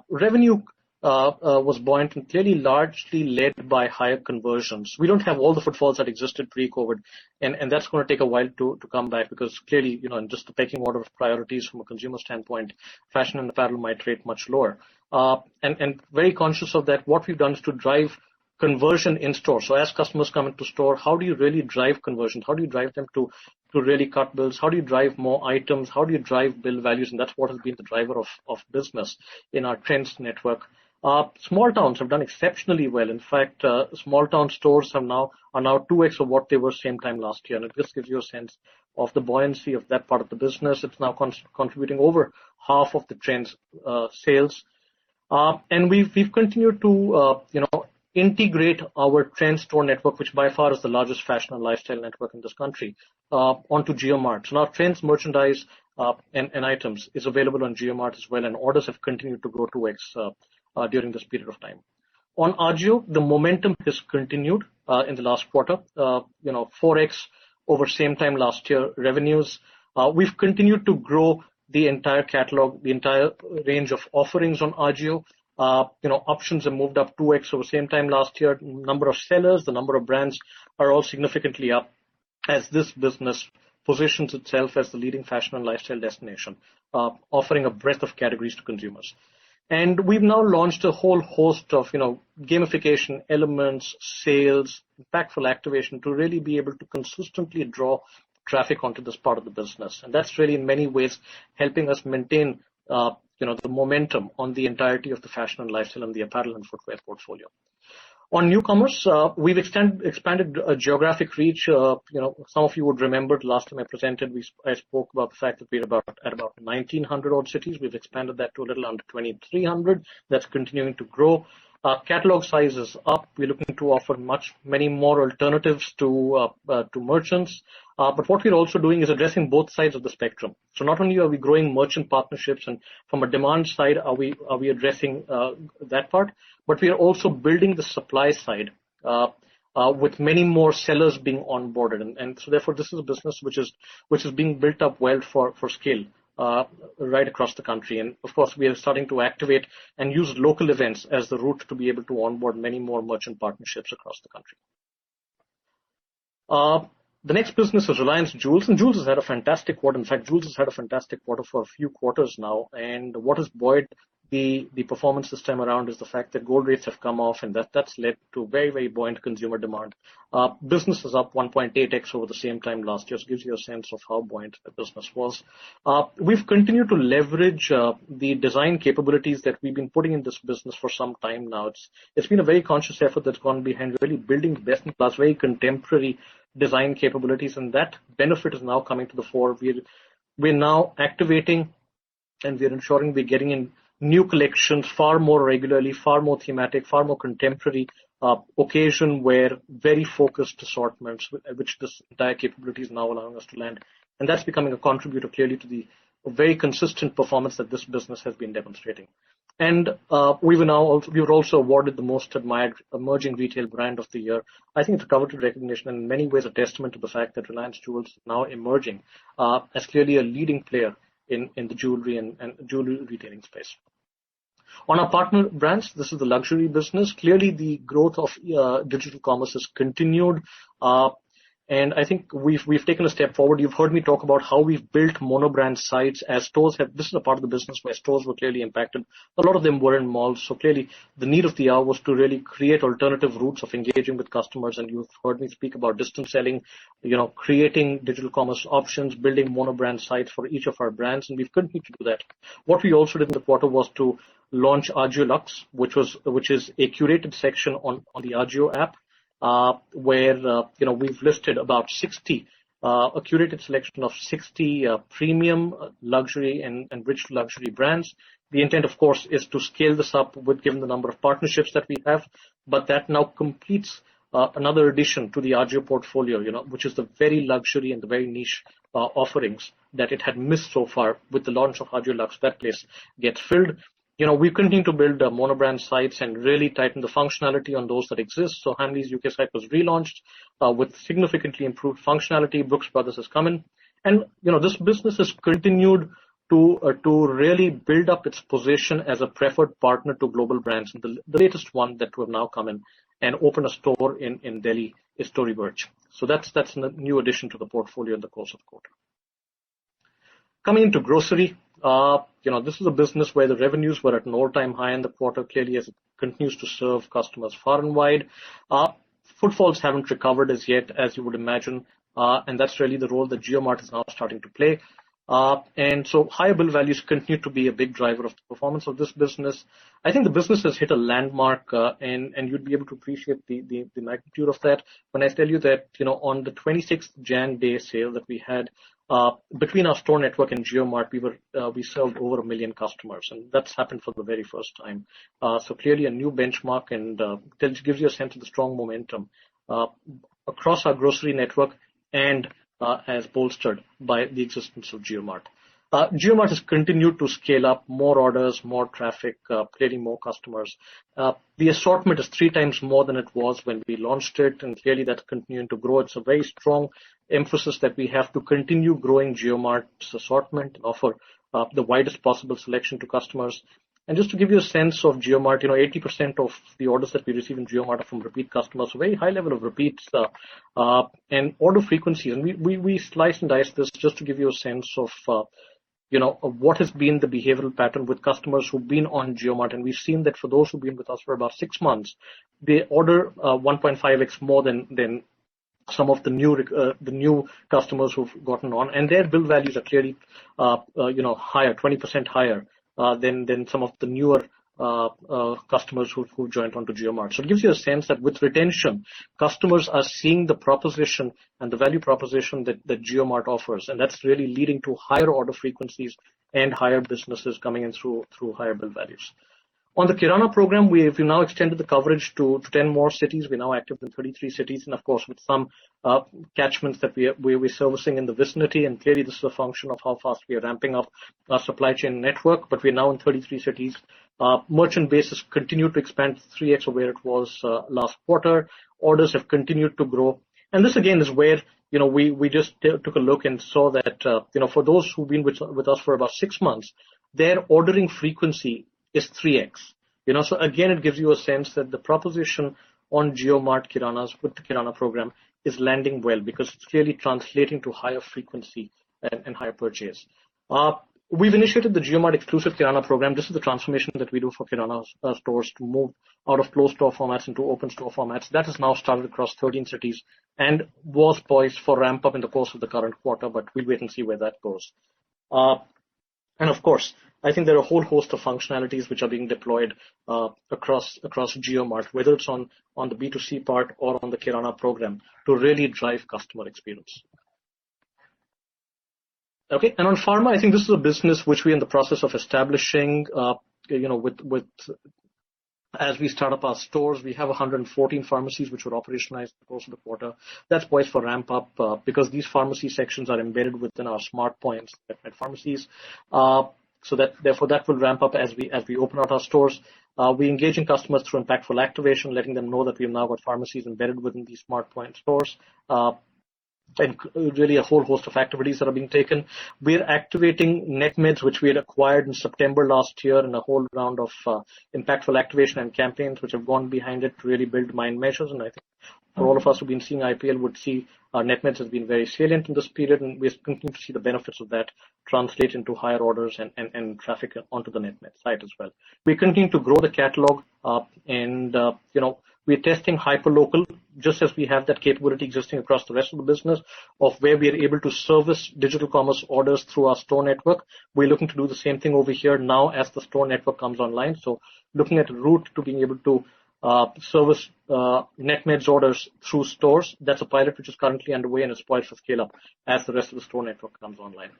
Revenue was buoyant and clearly largely led by higher conversions. We don't have all the footfalls that existed pre-COVID, and that's going to take a while to come back because clearly, in just the pecking order of priorities from a consumer standpoint, fashion and apparel might rate much lower. Very conscious of that, what we've done is to drive conversion in store. As customers come into store, how do you really drive conversion? How do you drive them to really cart builds? How do you drive more items? How do you drive bill values? That's what has been the driver of business in our Trends network. Small towns have done exceptionally well. In fact, small town stores are now 2x of what they were same time last year. It just gives you a sense of the buoyancy of that part of the business. It's now contributing over half of the Trends sales. We've continued to integrate our Trends store network, which by far is the largest fashion and lifestyle network in this country, onto JioMart. Now Trends merchandise and items is available on JioMart as well, and orders have continued to grow 2x during this period of time. On Ajio, the momentum has continued in the last quarter, 4x over same time last year revenues. We've continued to grow the entire catalog, the entire range of offerings on Ajio. Options have moved up 2x over same time last year. Number of sellers, the number of brands are all significantly up as this business positions itself as the leading fashion and lifestyle destination, offering a breadth of categories to consumers. We've now launched a whole host of gamification elements, sales, impactful activation to really be able to consistently draw traffic onto this part of the business. That's really in many ways helping us maintain the momentum on the entirety of the fashion and lifestyle and the apparel and footwear portfolio. On New Commerce, we've expanded geographic reach. Some of you would remember the last time I presented, I spoke about the fact that we're at about 1,900 odd cities. We've expanded that to a little under 2,300. That's continuing to grow. Our catalog size is up. We're looking to offer many more alternatives to merchants. What we're also doing is addressing both sides of the spectrum. Not only are we growing merchant partnerships and from a demand side are we addressing that part, but we are also building the supply side with many more sellers being onboarded. This is a business which is being built up well for scale right across the country. We are starting to activate and use local events as the route to be able to onboard many more merchant partnerships across the country. The next business is Reliance Jewels, and Jewels has had a fantastic quarter. In fact, Jewels has had a fantastic quarter for a few quarters now. What has buoyed the performance this time around is the fact that gold rates have come off, and that's led to very buoyant consumer demand. Business is up 1.8x over the same time last year. This gives you a sense of how buoyant the business was. We've continued to leverage the design capabilities that we've been putting in this business for some time now. It's been a very conscious effort that's gone behind really building best-in-class, very contemporary design capabilities, and that benefit is now coming to the fore. We're now activating and we're ensuring we're getting in new collections far more regularly, far more thematic, far more contemporary, occasion where very focused assortments, which this entire capability is now allowing us to land. That's becoming a contributor clearly to the very consistent performance that this business has been demonstrating. We were also awarded the Most Admired Emerging Retail Brand of the Year. I think it's a coveted recognition, in many ways a testament to the fact that Reliance Jewels is now emerging as clearly a leading player in the jewelry and jewelry retailing space. On our partner brands, this is the luxury business. Clearly the growth of digital commerce has continued, and I think we've taken a step forward. You've heard me talk about how we've built mono-brand sites as stores. This is a part of the business where stores were clearly impacted. A lot of them were in malls, clearly the need of the hour was to really create alternative routes of engaging with customers, and you've heard me speak about distance selling, creating digital commerce options, building mono-brand sites for each of our brands, and we've continued to do that. What we also did in the quarter was to launch Ajio Luxe, which is a curated section on the Ajio app, where we've listed a curated selection of 60 premium luxury and rich luxury brands. The intent, of course, is to scale this up given the number of partnerships that we have. That now completes another addition to the Ajio portfolio, which is the very luxury and the very niche offerings that it had missed so far. With the launch of Ajio Luxe, that place gets filled. We've continued to build mono-brand sites and really tighten the functionality on those that exist. Hamleys U.K. site was relaunched with significantly improved functionality. Brooks Brothers has come in. This business has continued to really build up its position as a preferred partner to global brands, and the latest one that will now come in and open a store in Delhi is Tory Burch. That's a new addition to the portfolio in the course of the quarter. Coming into grocery. This is a business where the revenues were at an all-time high in the quarter, clearly, as it continues to serve customers far and wide. Footfalls haven't recovered as yet, as you would imagine. That's really the role that JioMart is now starting to play. Higher bill values continue to be a big driver of the performance of this business. I think the business has hit a landmark, and you'd be able to appreciate the magnitude of that when I tell you that on the 26th January day sale that we had, between our store network and JioMart, we served over 1 million customers, and that's happened for the very first time. Clearly a new benchmark and gives you a sense of the strong momentum across our grocery network and as bolstered by the existence of JioMart. JioMart has continued to scale up more orders, more traffic, creating more customers. The assortment is three times more than it was when we launched it, and clearly that's continuing to grow. It's a very strong emphasis that we have to continue growing JioMart's assortment and offer the widest possible selection to customers. Just to give you a sense of JioMart, 80% of the orders that we receive in JioMart are from repeat customers. Very high level of repeats and order frequency. We slice and dice this just to give you a sense of what has been the behavioral pattern with customers who've been on JioMart. We've seen that for those who've been with us for about 6 months, they order 1.5x more than some of the new customers who've gotten on. Their bill values are clearly higher, 20% higher, than some of the newer customers who've joined onto JioMart. It gives you a sense that with retention, customers are seeing the proposition and the value proposition that JioMart offers, and that's really leading to higher order frequencies and higher businesses coming in through higher bill values. On the Kirana program, we have now extended the coverage to 10 more cities. We're now active in 33 cities and of course, with some catchments that we're servicing in the vicinity, and clearly this is a function of how fast we are ramping up our supply chain network. We're now in 33 cities. Merchant base has continued to expand 3x of where it was last quarter. Orders have continued to grow. This again is where we just took a look and saw that for those who've been with us for about six months, their ordering frequency is 3x. Again, it gives you a sense that the proposition on JioMart Kirana's with the Kirana program is landing well because it's clearly translating to higher frequency and higher purchase. We've initiated the JioMart exclusive Kirana program. This is the transformation that we do for Kirana stores to move out of closed store formats into open store formats. That has now started across 13 cities and was poised for ramp up in the course of the current quarter, but we'll wait and see where that goes. Of course, I think there are a whole host of functionalities which are being deployed across JioMart, whether it's on the B2C part or on the Kirana program, to really drive customer experience. Okay. On pharma, I think this is a business which we're in the process of establishing. As we start up our stores, we have 114 pharmacies which were operationalized in the course of the quarter. That's poised for ramp up because these pharmacy sections are embedded within our SmartPoint at pharmacies. Therefore that will ramp up as we open up our stores. We're engaging customers through impactful activation, letting them know that we have now got pharmacies embedded within these SmartPoint stores. Really a whole host of activities that are being taken. We're activating Netmeds, which we had acquired in September last year, and a whole round of impactful activation and campaigns which have gone behind it to really build mind measures. I think for all of us who've been seeing IPL would see Netmeds has been very salient in this period, and we continue to see the benefits of that translate into higher orders and traffic onto the Netmeds site as well. We continue to grow the catalog, and we're testing hyper local, just as we have that capability existing across the rest of the business, of where we are able to service digital commerce orders through our store network. We're looking to do the same thing over here now as the store network comes online. Looking at route to being able to service Netmeds orders through stores. That's a pilot which is currently underway and is poised for scale up as the rest of the store network comes online.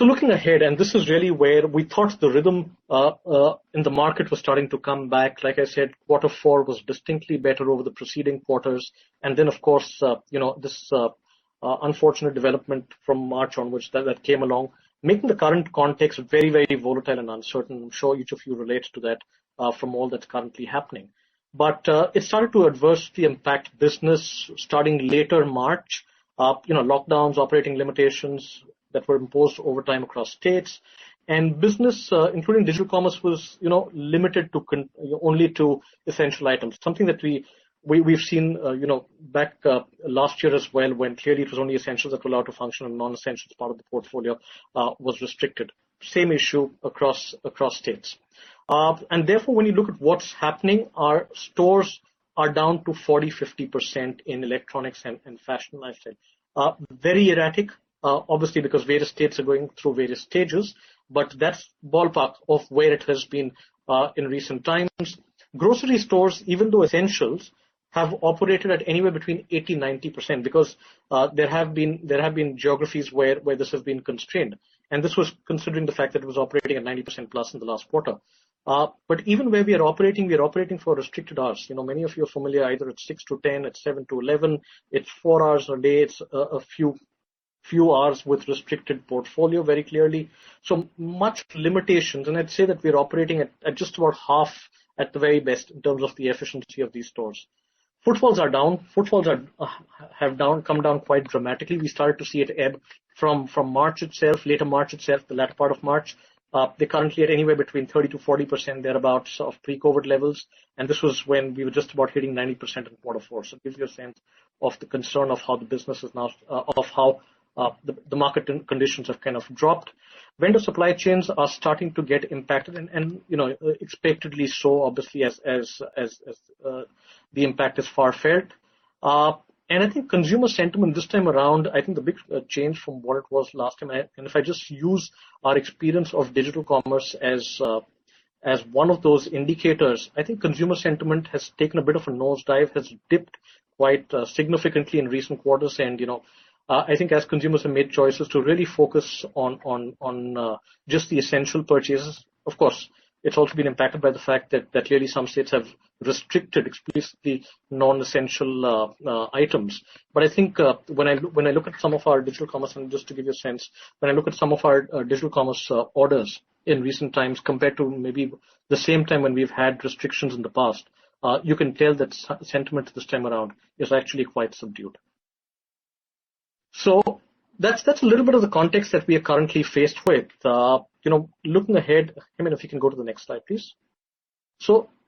Looking ahead, and this is really where we thought the rhythm in the market was starting to come back. Like I said, quarter four was distinctly better over the preceding quarters. Of course, this unfortunate development from March onwards that came along, making the current context very, very volatile and uncertain. I'm sure each of you relates to that from all that's currently happening. It started to adversely impact business starting later March. Lockdowns, operating limitations that were imposed over time across states. Business, including digital commerce, was limited only to essential items. Something that we've seen back last year as well when clearly it was only essentials that were allowed to function and non-essentials part of the portfolio was restricted. Same issue across states. When you look at what's happening, our stores are down to 40%-50% in electronics and fashion lifestyle. Very erratic, obviously, because various states are going through various stages, but that's ballpark of where it has been, in recent times. Grocery stores, even though essentials, have operated at anywhere between 80%-90%, because there have been geographies where this has been constrained. This was considering the fact that it was operating at 90%+ in the last quarter. Even where we are operating, we are operating for restricted hours. Many of you are familiar, either it's 6-10, it's 7-11, it's four hours a day. It's a few hours with restricted portfolio very clearly. Much limitations, and I'd say that we're operating at just about half at the very best in terms of the efficiency of these stores. Footfalls are down. Footfalls have come down quite dramatically. We started to see it ebb from March itself, later March itself, the latter part of March. They're currently at anywhere between 30%-40%, thereabout, of pre-COVID levels. This was when we were just about hitting 90% in quarter four. It gives you a sense of the concern of how the market conditions have kind of dropped. Vendor supply chains are starting to get impacted and expectedly so, obviously, as the impact is far-fetched. I think consumer sentiment this time around, I think the big change from what it was last time, and if I just use our experience of digital commerce as one of those indicators, I think consumer sentiment has taken a bit of a nosedive, has dipped quite significantly in recent quarters. I think as consumers have made choices to really focus on just the essential purchases. Of course, it's also been impacted by the fact that clearly some states have restricted explicitly non-essential items. I think when I look at some of our digital commerce, and just to give you a sense, when I look at some of our digital commerce orders in recent times compared to maybe the same time when we've had restrictions in the past, you can tell that sentiment this time around is actually quite subdued. That's a little bit of the context that we are currently faced with. Looking ahead, Hemant, if you can go to the next slide, please.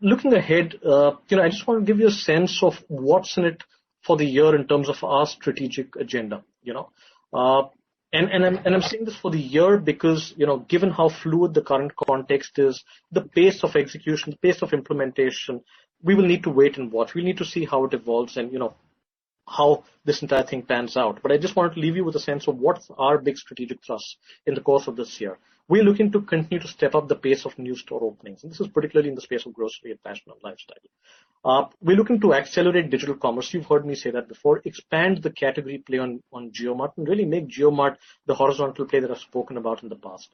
Looking ahead, I just want to give you a sense of what's in it for the year in terms of our strategic agenda. I'm saying this for the year because, given how fluid the current context is, the pace of execution, pace of implementation, we will need to wait and watch. We need to see how it evolves and how this entire thing pans out. I just wanted to leave you with a sense of what's our big strategic thrust in the course of this year. We're looking to continue to step up the pace of new store openings, and this is particularly in the space of grocery and fashion and lifestyle. We're looking to accelerate digital commerce, you've heard me say that before. Expand the category play on JioMart, and really make JioMart the horizontal play that I've spoken about in the past.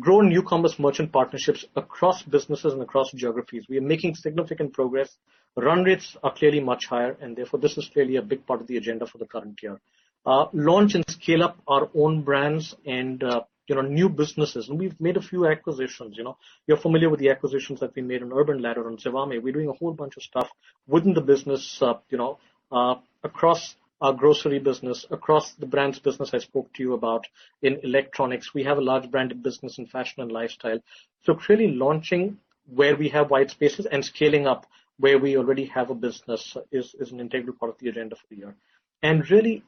Grow new commerce merchant partnerships across businesses and across geographies. We are making significant progress. Run rates are clearly much higher, therefore this is clearly a big part of the agenda for the current year. Launch and scale up our own brands and new businesses. We've made a few acquisitions. You're familiar with the acquisitions that we made in Urban Ladder and Zivame. We're doing a whole bunch of stuff within the business across our grocery business, across the brands business I spoke to you about in electronics. We have a large branded business in fashion and lifestyle. Clearly launching where we have white spaces and scaling up where we already have a business is an integral part of the agenda for the year. Really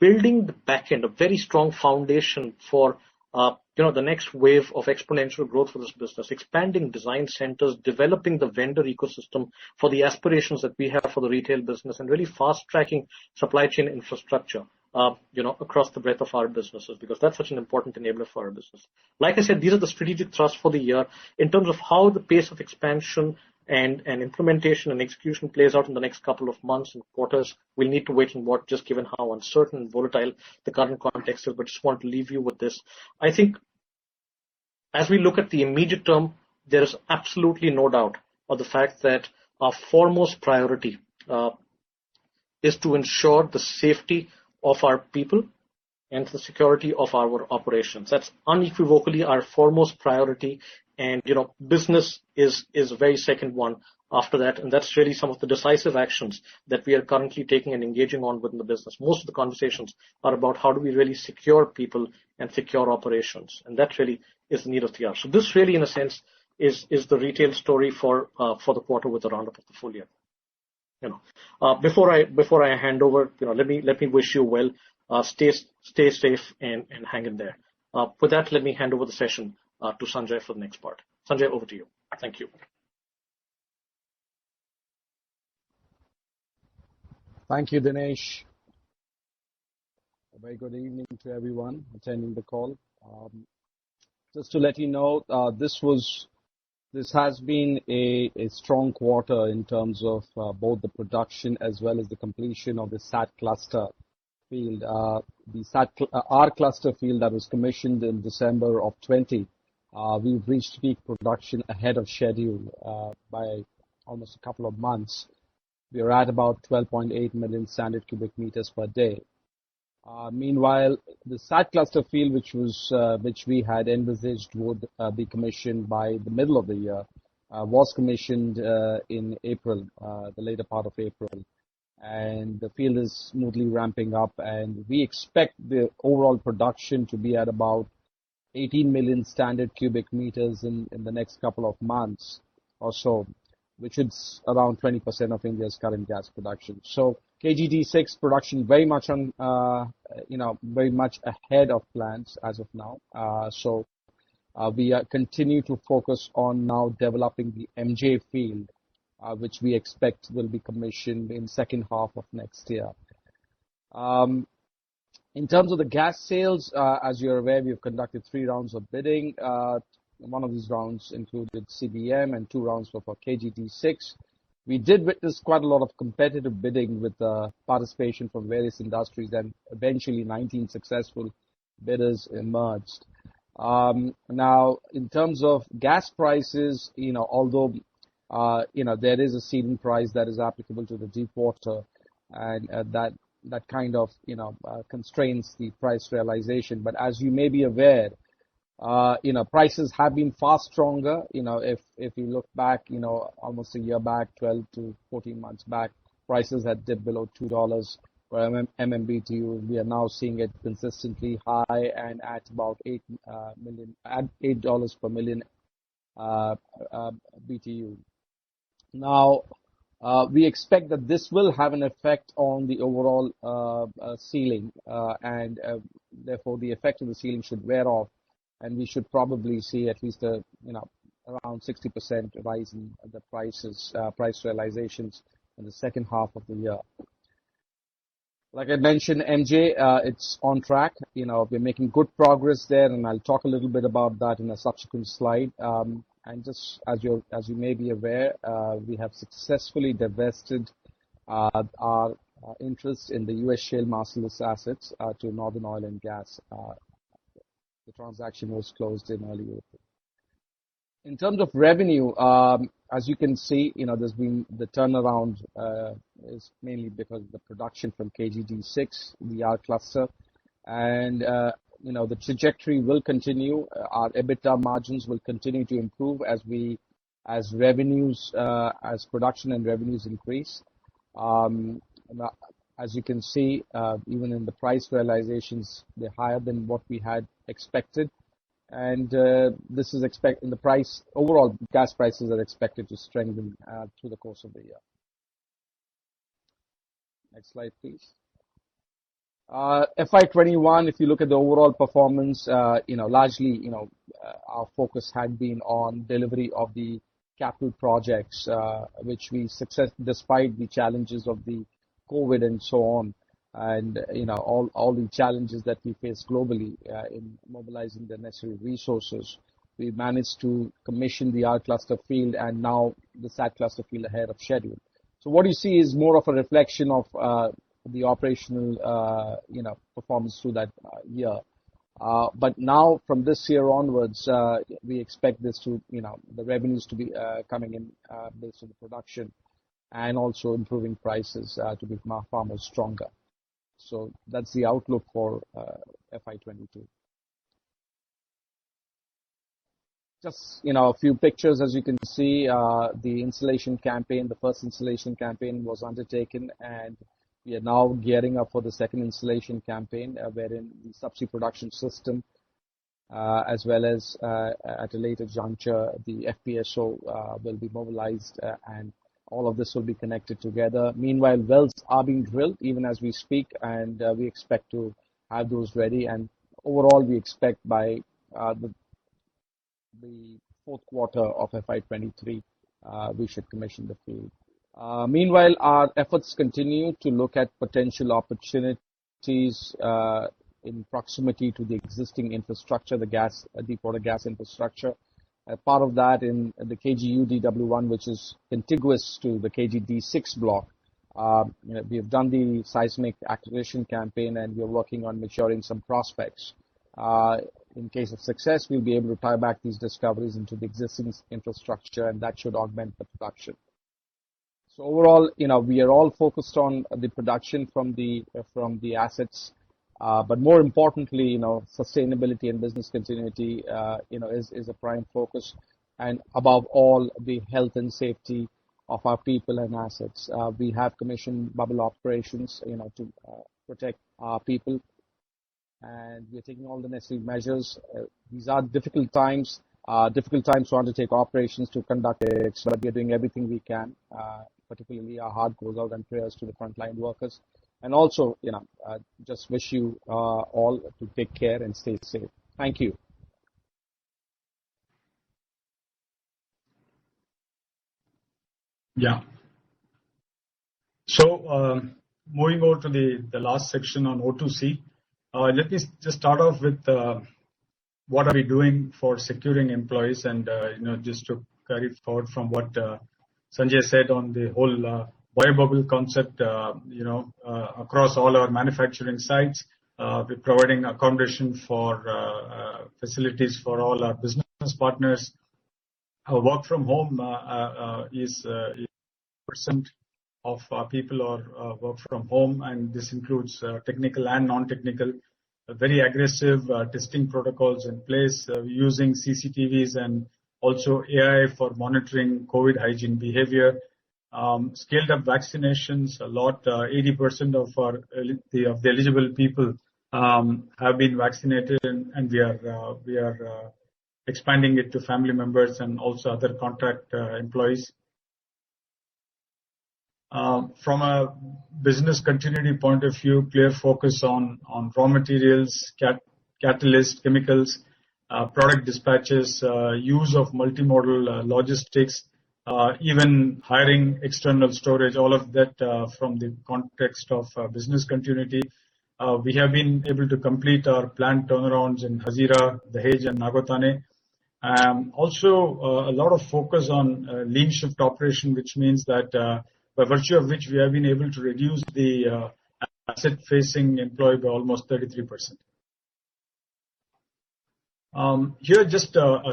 building the backend, a very strong foundation for the next wave of exponential growth for this business. Expanding design centers, developing the vendor ecosystem for the aspirations that we have for the retail business, and really fast-tracking supply chain infrastructure across the breadth of our businesses, because that's such an important enabler for our business. Like I said, these are the strategic thrusts for the year. In terms of how the pace of expansion and implementation and execution plays out in the next couple of months and quarters, we'll need to wait and watch just given how uncertain and volatile the current context is. Just want to leave you with this. I think as we look at the immediate term, there is absolutely no doubt of the fact that our foremost priority is to ensure the safety of our people and the security of our operations. That's unequivocally our foremost priority, business is very second one after that's really some of the decisive actions that we are currently taking and engaging on within the business. Most of the conversations are about how do we really secure people and secure operations, that really is the need of the hour. This really, in a sense, is the retail story for the quarter with a roundup of the full year. Before I hand over, let me wish you well. Stay safe and hang in there. With that, let me hand over the session to Sanjay for the next part. Sanjay, over to you. Thank you.
Thank you, Dinesh. A very good evening to everyone attending the call. Just to let you know, this has been a strong quarter in terms of both the production as well as the completion of the Satellite Cluster field. The R Cluster field that was commissioned in December of 2020. We've reached peak production ahead of schedule by almost a couple of months. We are at about 12.8 million standard cubic meters per day. Meanwhile, the Satellite Cluster field, which we had envisaged would be commissioned by the middle of the year, was commissioned in the later part of April. The field is smoothly ramping up and we expect the overall production to be at about 18 million standard cubic meters in the next couple of months or so, which is around 20% of India's current gas production. KG-D6 production very much ahead of plans as of now. We continue to focus on now developing the MJ field, which we expect will be commissioned in second half of next year. In terms of the gas sales, as you're aware, we've conducted three rounds of bidding. One of these rounds included CBM and two rounds were for KGD6. We did witness quite a lot of competitive bidding with participation from various industries and eventually 19 successful bidders emerged. In terms of gas prices, although there is a ceiling price that is applicable to the deepwater and that kind of constrains the price realization. As you may be aware, prices have been far stronger. If you look back almost a year back, 12-14 months back, prices had dipped below $2 per MMBtu. We are now seeing it consistently high and at about $8 per million BTU. We expect that this will have an effect on the overall ceiling, and therefore the effect of the ceiling should wear off and we should probably see at least around 60% rise in the price realizations in the second half of the year. Like I mentioned, MJ, it's on track. We're making good progress there, and I'll talk a little bit about that in a subsequent slide. Just as you may be aware, we have successfully divested our interest in the U.S. shale Marcellus assets to Northern Oil and Gas. The transaction was closed in early April. In terms of revenue, as you can see, there's been the turnaround is mainly because of the production from KGD6, the R Cluster. The trajectory will continue. Our EBITDA margins will continue to improve as production and revenues increase. As you can see, even in the price realizations, they're higher than what we had expected. The overall gas prices are expected to strengthen through the course of the year. Next slide, please. FY 2021, if you look at the overall performance, largely, our focus had been on delivery of the capital projects which we successfully Despite the challenges of the COVID-19 and so on, and all the challenges that we face globally in mobilizing the necessary resources, we managed to commission the R Cluster field and now the Satellite Cluster field ahead of schedule. What you see is more of a reflection of the operational performance through that year. Now from this year onwards, we expect the revenues to be coming in based on the production and also improving prices to become far more stronger. That's the outlook for FY 2022. Just a few pictures as you can see, the installation campaign, the first installation campaign was undertaken and we are now gearing up for the second installation campaign wherein the subsea production system as well as, at a later juncture, the FPSO will be mobilized, and all of this will be connected together. Meanwhile, wells are being drilled even as we speak, and we expect to have those ready. Overall, we expect by the fourth quarter of FY 2023 we should commission the field. Meanwhile, our efforts continue to look at potential opportunities in proximity to the existing infrastructure, the deepwater gas infrastructure. Part of that in the KG-UDW1, which is contiguous to the KG-D6 block. We have done the seismic acquisition campaign, and we are working on maturing some prospects. In case of success, we'll be able to tie back these discoveries into the existing infrastructure, and that should augment the production. Overall, we are all focused on the production from the assets, but more importantly, sustainability and business continuity is a prime focus. Above all, the health and safety of our people and assets. We have commissioned bubble operations to protect our people, and we are taking all the necessary measures. These are difficult times to undertake operations, to conduct. We are doing everything we can, particularly our heart goes out and prayers to the frontline workers. Also, just wish you all to take care and stay safe. Thank you.
Moving over to the last section on O2C. Let me just start off with what are we doing for securing employees and, just to carry forward from what Sanjay said on the whole bio-bubble concept, across all our manufacturing sites. We're providing accommodation for facilities for all our business partners. Work from home is percent of our people are work from home, and this includes technical and non-technical. Very aggressive testing protocols in place, using CCTVs and also AI for monitoring COVID-19 hygiene behavior. Scaled up vaccinations a lot. 80% of the eligible people have been vaccinated, and we are expanding it to family members and also other contract employees. From a business continuity point of view, clear focus on raw materials, catalyst chemicals, product dispatches, use of multimodal logistics, even hiring external storage, all of that from the context of business continuity. We have been able to complete our plant turnarounds in Hazira, Dahej, and Nagothane. A lot of focus on lean shift operation, which means that by virtue of which we have been able to reduce the asset-facing employee by almost 33%. Here, just two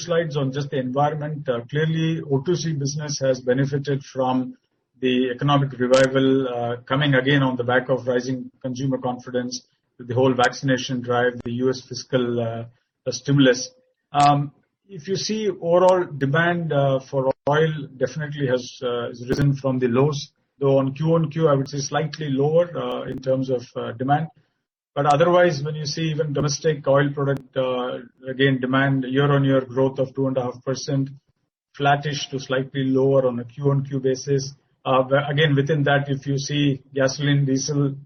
slides on just the environment. Clearly, O2C business has benefited from the economic revival, coming again on the back of rising consumer confidence with the whole vaccination drive, the U.S. fiscal stimulus. Overall demand for oil definitely has risen from the lows, though on QoQ, I would say slightly lower in terms of demand. Otherwise, when you see even domestic oil product, again, demand year-on-year growth of 2.5%, flattish to slightly lower on a QoQ basis. Again, within that, if you see gasoline, diesel,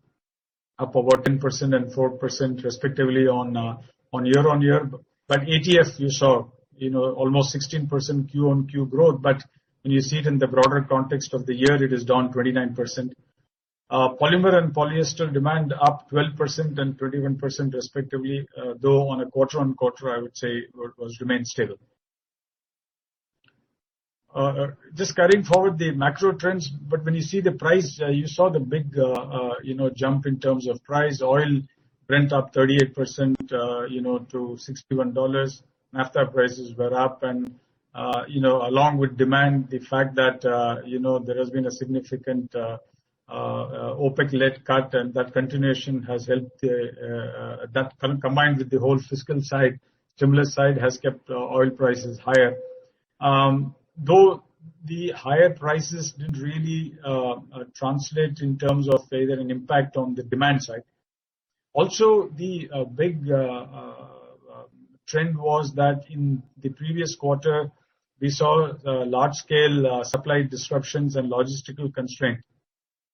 up about 10% and 4% respectively on year-on-year. ATF, you saw almost 16% QoQ growth, but when you see it in the broader context of the year, it is down 29%. Polymer and polyester demand up 12% and 21% respectively, though on a quarter on quarter, I would say it remained stable. Just carrying forward the macro trends. When you see the price, you saw the big jump in terms of price. Oil went up 38% to $61. Naphtha prices were up and along with demand, the fact that there has been a significant OPEC-led cut and that continuation has helped, that combined with the whole fiscal side, stimulus side, has kept oil prices higher. The higher prices didn't really translate in terms of having an impact on the demand side. The big trend was that in the previous quarter, we saw large-scale supply disruptions and logistical constraint.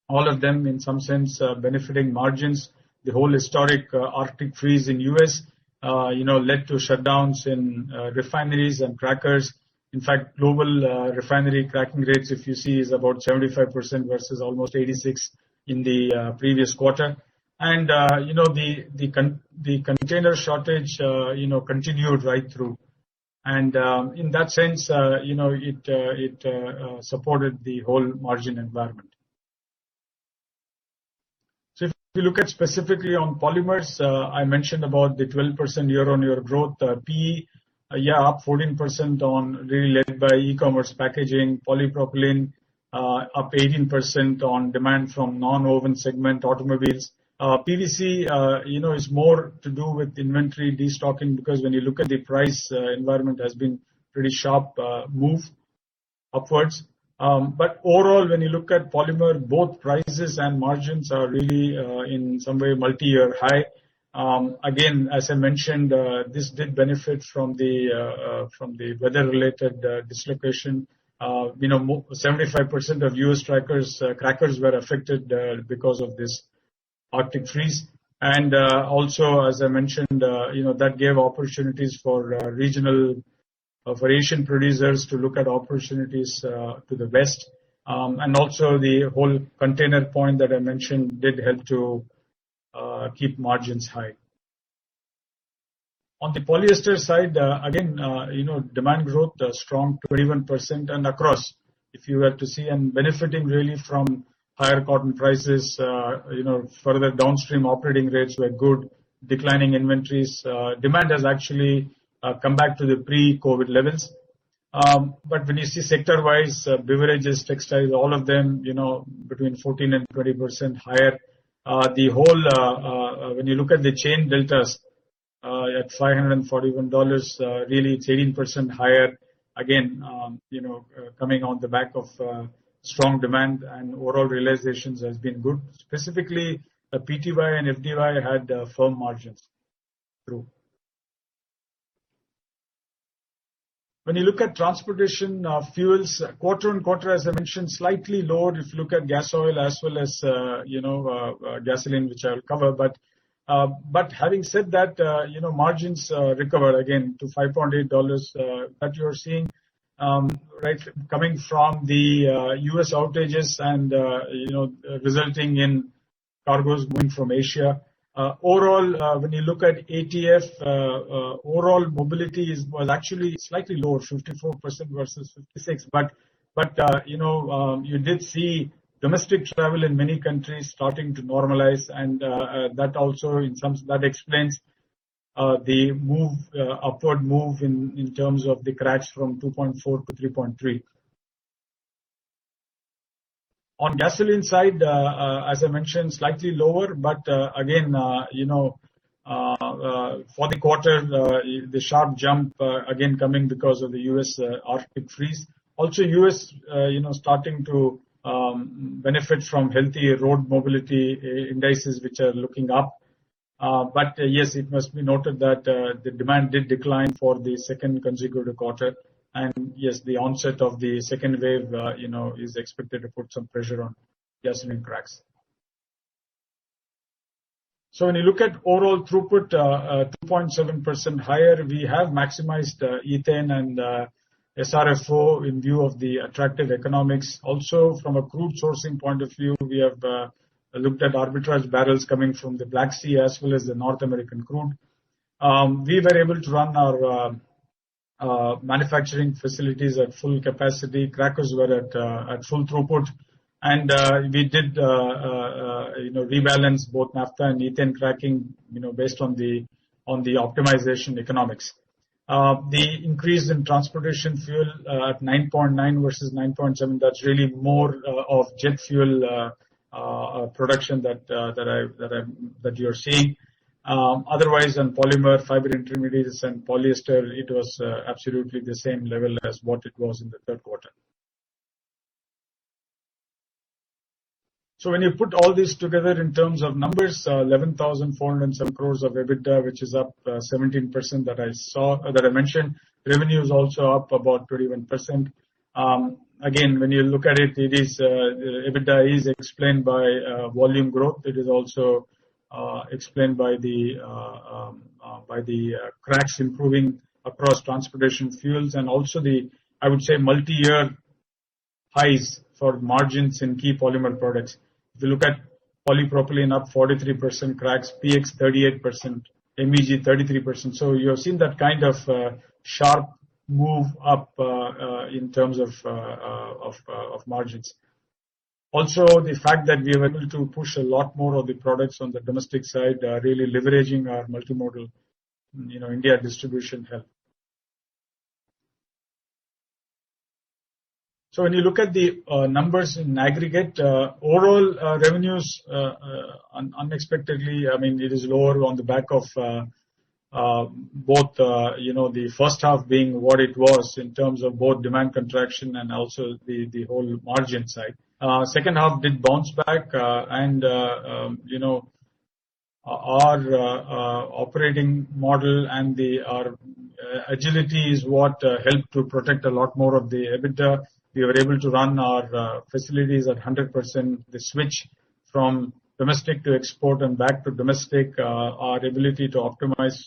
All of them, in some sense, benefiting margins. The whole historic Arctic freeze in U.S. led to shutdowns in refineries and crackers. In fact, global refinery cracking rates, if you see, is about 75% versus almost 86% in the previous quarter. The container shortage continued right through. In that sense, it supported the whole margin environment. If you look at specifically on polymers, I mentioned about the 12% year-on-year growth. PE, yeah, up 14% on really led by e-commerce packaging, polypropylene up 18% on demand from non-woven segment, automobiles. PVC is more to do with inventory destocking because when you look at the price environment has been pretty sharp move upwards. Overall, when you look at polymer, both prices and margins are really in some very multi-year high. Again, as I mentioned, this did benefit from the weather-related dislocation. 75% of U.S. crackers were affected because of this Arctic freeze. Also, as I mentioned, that gave opportunities for regional Asian producers to look at opportunities to the West. Also the whole container point that I mentioned did help to keep margins high. On the polyester side, again, demand growth strong 21% and across. If you were to see and benefiting really from higher cotton prices, further downstream operating rates were good. Declining inventories. Demand has actually come back to the pre-COVID levels. When you see sector-wise, beverages, textiles, all of them, between 14% and 20% higher. When you look at the chain deltas at $541, really it's 18% higher, again, coming on the back of strong demand and overall realizations has been good. Specifically, POY and FDY had firm margins through. When you look at transportation fuels, quarter-on-quarter, as I mentioned, slightly lower if you look at gas oil as well as gasoline, which I'll cover. Having said that, margins recovered again to $5.8 that you're seeing, coming from the U.S. outages and resulting in cargoes moving from Asia. Overall, when you look at ATF, overall mobility is, well, actually slightly lower, 54% versus 56%. You did see domestic travel in many countries starting to normalize and that explains the upward move in terms of the cracks from $2.4 to $3.3. On gasoline side, as I mentioned, slightly lower, but again for the quarter, the sharp jump again coming because of the U.S. Arctic freeze. U.S. starting to benefit from healthy road mobility indices, which are looking up. Yes, it must be noted that the demand did decline for the second consecutive quarter. Yes, the onset of the second wave is expected to put some pressure on gasoline cracks. When you look at overall throughput, 2.7% higher. We have maximized ethane and SRFO in view of the attractive economics. Also from a crude sourcing point of view, we have looked at arbitrage barrels coming from the Black Sea as well as the North American crude. We were able to run our manufacturing facilities at full capacity. Crackers were at full throughput. We did rebalance both naphtha and ethane cracking based on the optimization economics. The increase in transportation fuel at 9.9 versus 9.7, that's really more of jet fuel production that you're seeing. Otherwise, on polymer, fiber intermediates, and polyester, it was absolutely the same level as what it was in the third quarter. When you put all this together in terms of numbers, 11,400 and some crores of EBITDA, which is up 17% that I mentioned. Revenue is also up about 21%. When you look at it, this EBITDA is explained by volume growth. It is also explained by the cracks improving across transportation fuels and also the, I would say, multi-year highs for margins in key polymer products. If you look at polypropylene, up 43%, cracks PX 38%, MEG 33%. You have seen that kind of sharp move up in terms of margins. Also, the fact that we were able to push a lot more of the products on the domestic side, really leveraging our multimodal India distribution help. When you look at the numbers in aggregate, overall revenues, unexpectedly, it is lower on the back of both the first half being what it was in terms of both demand contraction and also the whole margin side. Second half did bounce back, and our operating model and our agility is what helped to protect a lot more of the EBITDA. We were able to run our facilities at 100%. The switch from domestic to export and back to domestic, our ability to optimize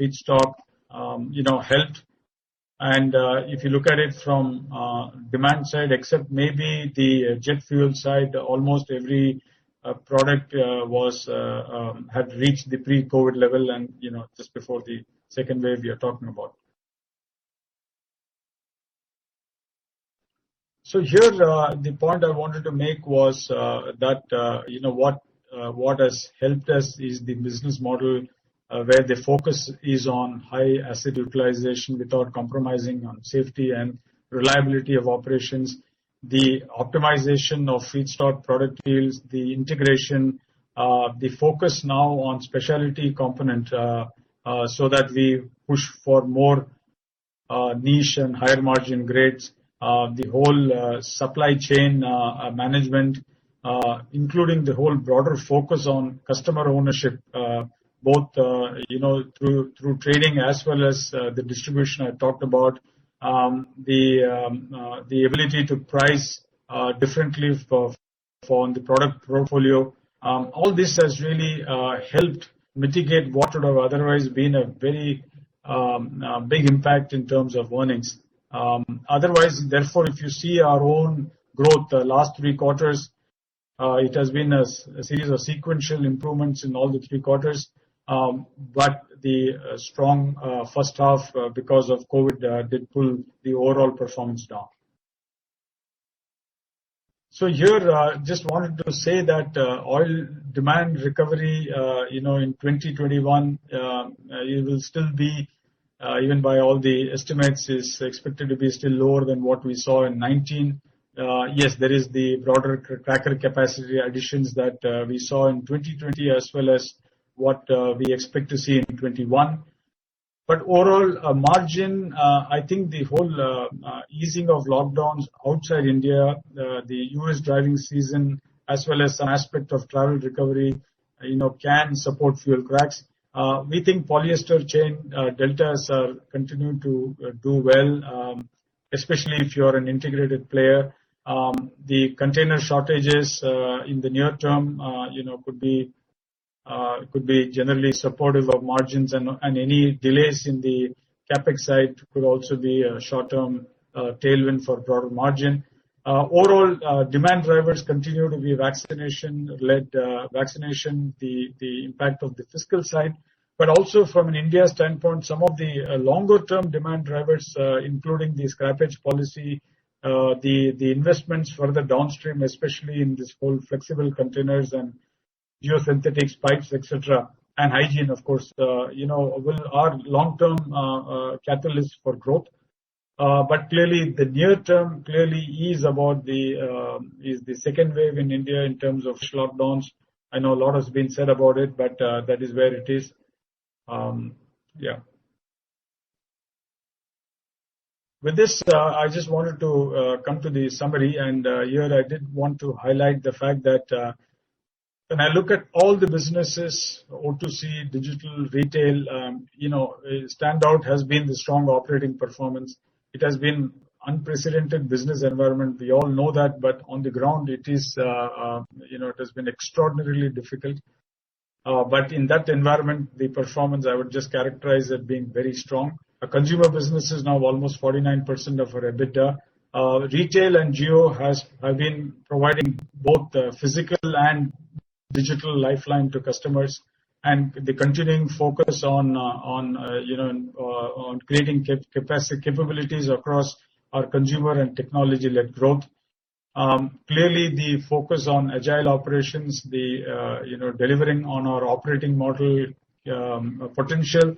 feedstock helped. If you look at it from demand side, except maybe the jet fuel side, almost every product had reached the pre-COVID level and just before the second wave we are talking about. Here, the point I wanted to make was that what has helped us is the business model, where the focus is on high asset utilization without compromising on safety and reliability of operations. The optimization of feedstock product yields, the integration, the focus now on specialty component so that we push for more niche and higher margin grades. The whole supply chain management, including the whole broader focus on customer ownership, both through trading as well as the distribution I talked about. The ability to price differently for the product portfolio. All this has really helped mitigate what would have otherwise been a very big impact in terms of earnings. Therefore, if you see our own growth the last three quarters, it has been a series of sequential improvements in all the three quarters. The strong first half, because of COVID-19, did pull the overall performance down. Here, I just wanted to say that oil demand recovery in 2021, it will still be, even by all the estimates, is expected to be still lower than what we saw in 2019. Yes, there is the broader cracker capacity additions that we saw in 2020, as well as what we expect to see in 2021. Overall margin, I think the whole easing of lockdowns outside India, the U.S. driving season, as well as an aspect of travel recovery, can support fuel cracks. We think polyester chain deltas are continuing to do well, especially if you're an integrated player. The container shortages in the near term could be generally supportive of margins, and any delays in the CapEx side could also be a short-term tailwind for broader margin. Overall, demand drivers continue to be vaccination, the impact of the fiscal side. Also from an India standpoint, some of the longer-term demand drivers, including the scrappage policy, the investments for the downstream, especially in this whole flexible containers and geosynthetics pipes, et cetera, and hygiene, of course, will add long-term catalysts for growth. Clearly, the near term clearly is the second wave in India in terms of lockdowns. I know a lot has been said about it, but that is where it is. Yeah. With this, I just wanted to come to the summary, and here I did want to highlight the fact that when I look at all the businesses, O2C, digital, retail, standout has been the strong operating performance. It has been unprecedented business environment. We all know that, but on the ground it has been extraordinarily difficult. In that environment, the performance, I would just characterize it being very strong. Our consumer business is now almost 49% of our EBITDA. Retail and Jio have been providing both the physical and digital lifeline to customers, and the continuing focus on creating capabilities across our consumer and technology-led growth. Clearly, the focus on agile operations, the delivering on our operating model potential,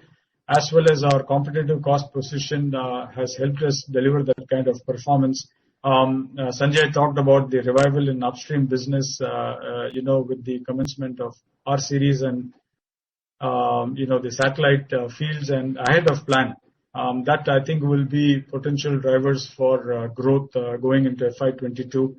as well as our competitive cost position, has helped us deliver that kind of performance. Sanjay talked about the revival in upstream business with the commencement of R Cluster and the Satellite Cluster and ahead of plan. That I think will be potential drivers for growth going into FY 2022.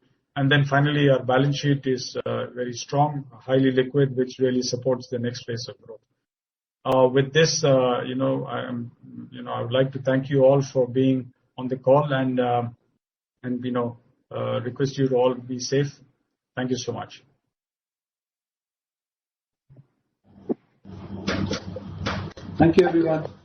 Finally, our balance sheet is very strong, highly liquid, which really supports the next phase of growth. With this, I would like to thank you all for being on the call and request you to all be safe. Thank you so much.
Thank you, everyone.